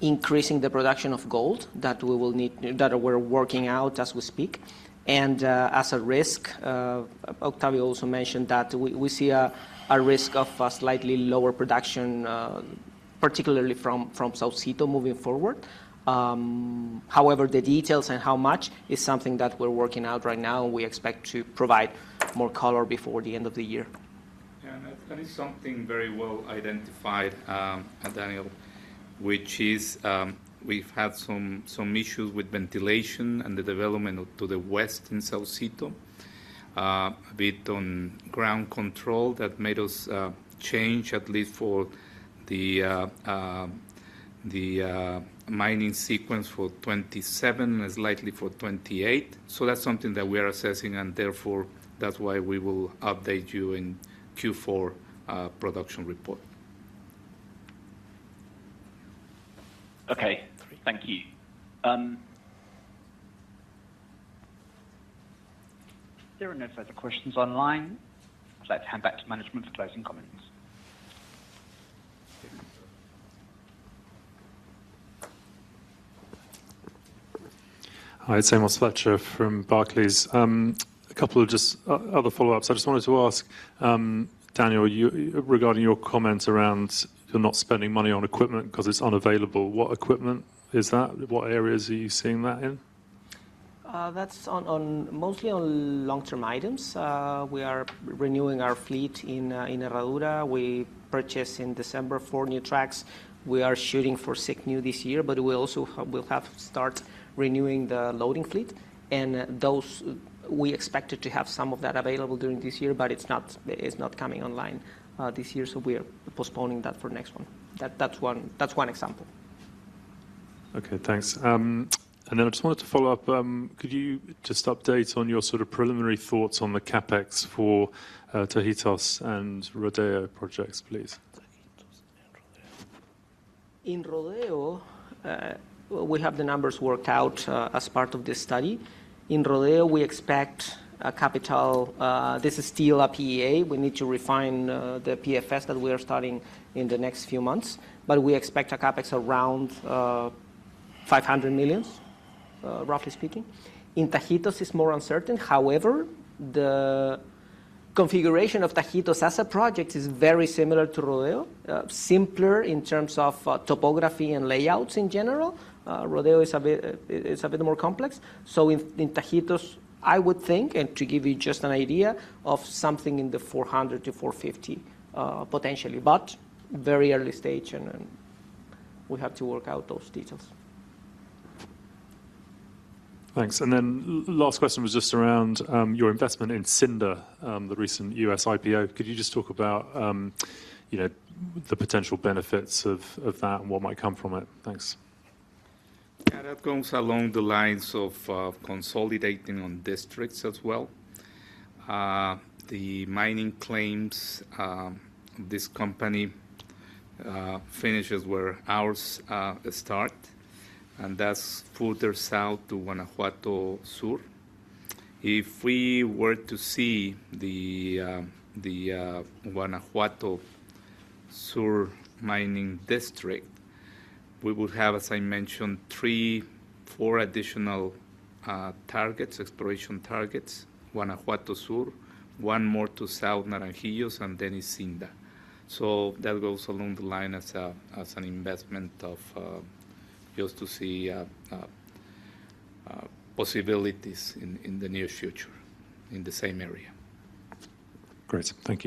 increasing the production of gold that we're working out as we speak. As a risk, Octavio also mentioned that we see a risk of a slightly lower production, particularly from Saucito moving forward. However, the details and how much is something that we're working out right now, and we expect to provide more color before the end of the year. That is something very well identified, Daniel, which is we've had some issues with ventilation and the development to the west in Saucito. A bit on ground control that made us change at least for the mining sequence for 2027, and slightly for 2028. That's something that we are assessing, and therefore, that's why we will update you in Q4 production report. Okay. Thank you. There are no further questions online. I'd like to hand back to management for closing comments. Hi, it's Amos Fletcher from Barclays. A couple of just other follow-ups. I just wanted to ask Daniel, regarding your comment around you're not spending money on equipment because it's unavailable, what equipment is that? What areas are you seeing that in? That's mostly on long-term items. We are renewing our fleet in Herradura. We purchased in December four new trucks. We are shooting for six new this year, but we'll also have to start renewing the loading fleet, and those we expected to have some of that available during this year, but it's not coming online this year, so we are postponing that for next one. That's one example. Okay, thanks. I just wanted to follow up. Could you just update on your preliminary thoughts on the CapEx for Tajitos and Rodeo projects, please? Tajitos and Rodeo. In Rodeo, we have the numbers worked out as part of this study. In Rodeo, we expect a capital. This is still a PEA. We need to refine the PFS that we are starting in the next few months. But we expect a CapEx around $500 million, roughly speaking. In Tajitos, it's more uncertain. However, the configuration of Tajitos as a project is very similar to Rodeo. Simpler in terms of topography and layouts in general. Rodeo is a bit more complex. In Tajitos, I would think, and to give you just an idea, of something in the $400 million-$450 million, potentially, but very early stage, and we have to work out those details. Thanks. Last question was just around your investment in Sinda, the recent U.S. IPO. Could you just talk about the potential benefits of that and what might come from it? Thanks. That comes along the lines of consolidating on districts as well. The mining claims, this company finishes where ours start. That's further south to Guanajuato Sur. If we were to see the Guanajuato Sur mining district, we would have, as I mentioned, three, four additional targets, exploration targets, Guanajuato Sur, one more to south Naranjillo, and then is Sinda. That goes along the line as an investment of just to see possibilities in the near future in the same area. Great. Thank you.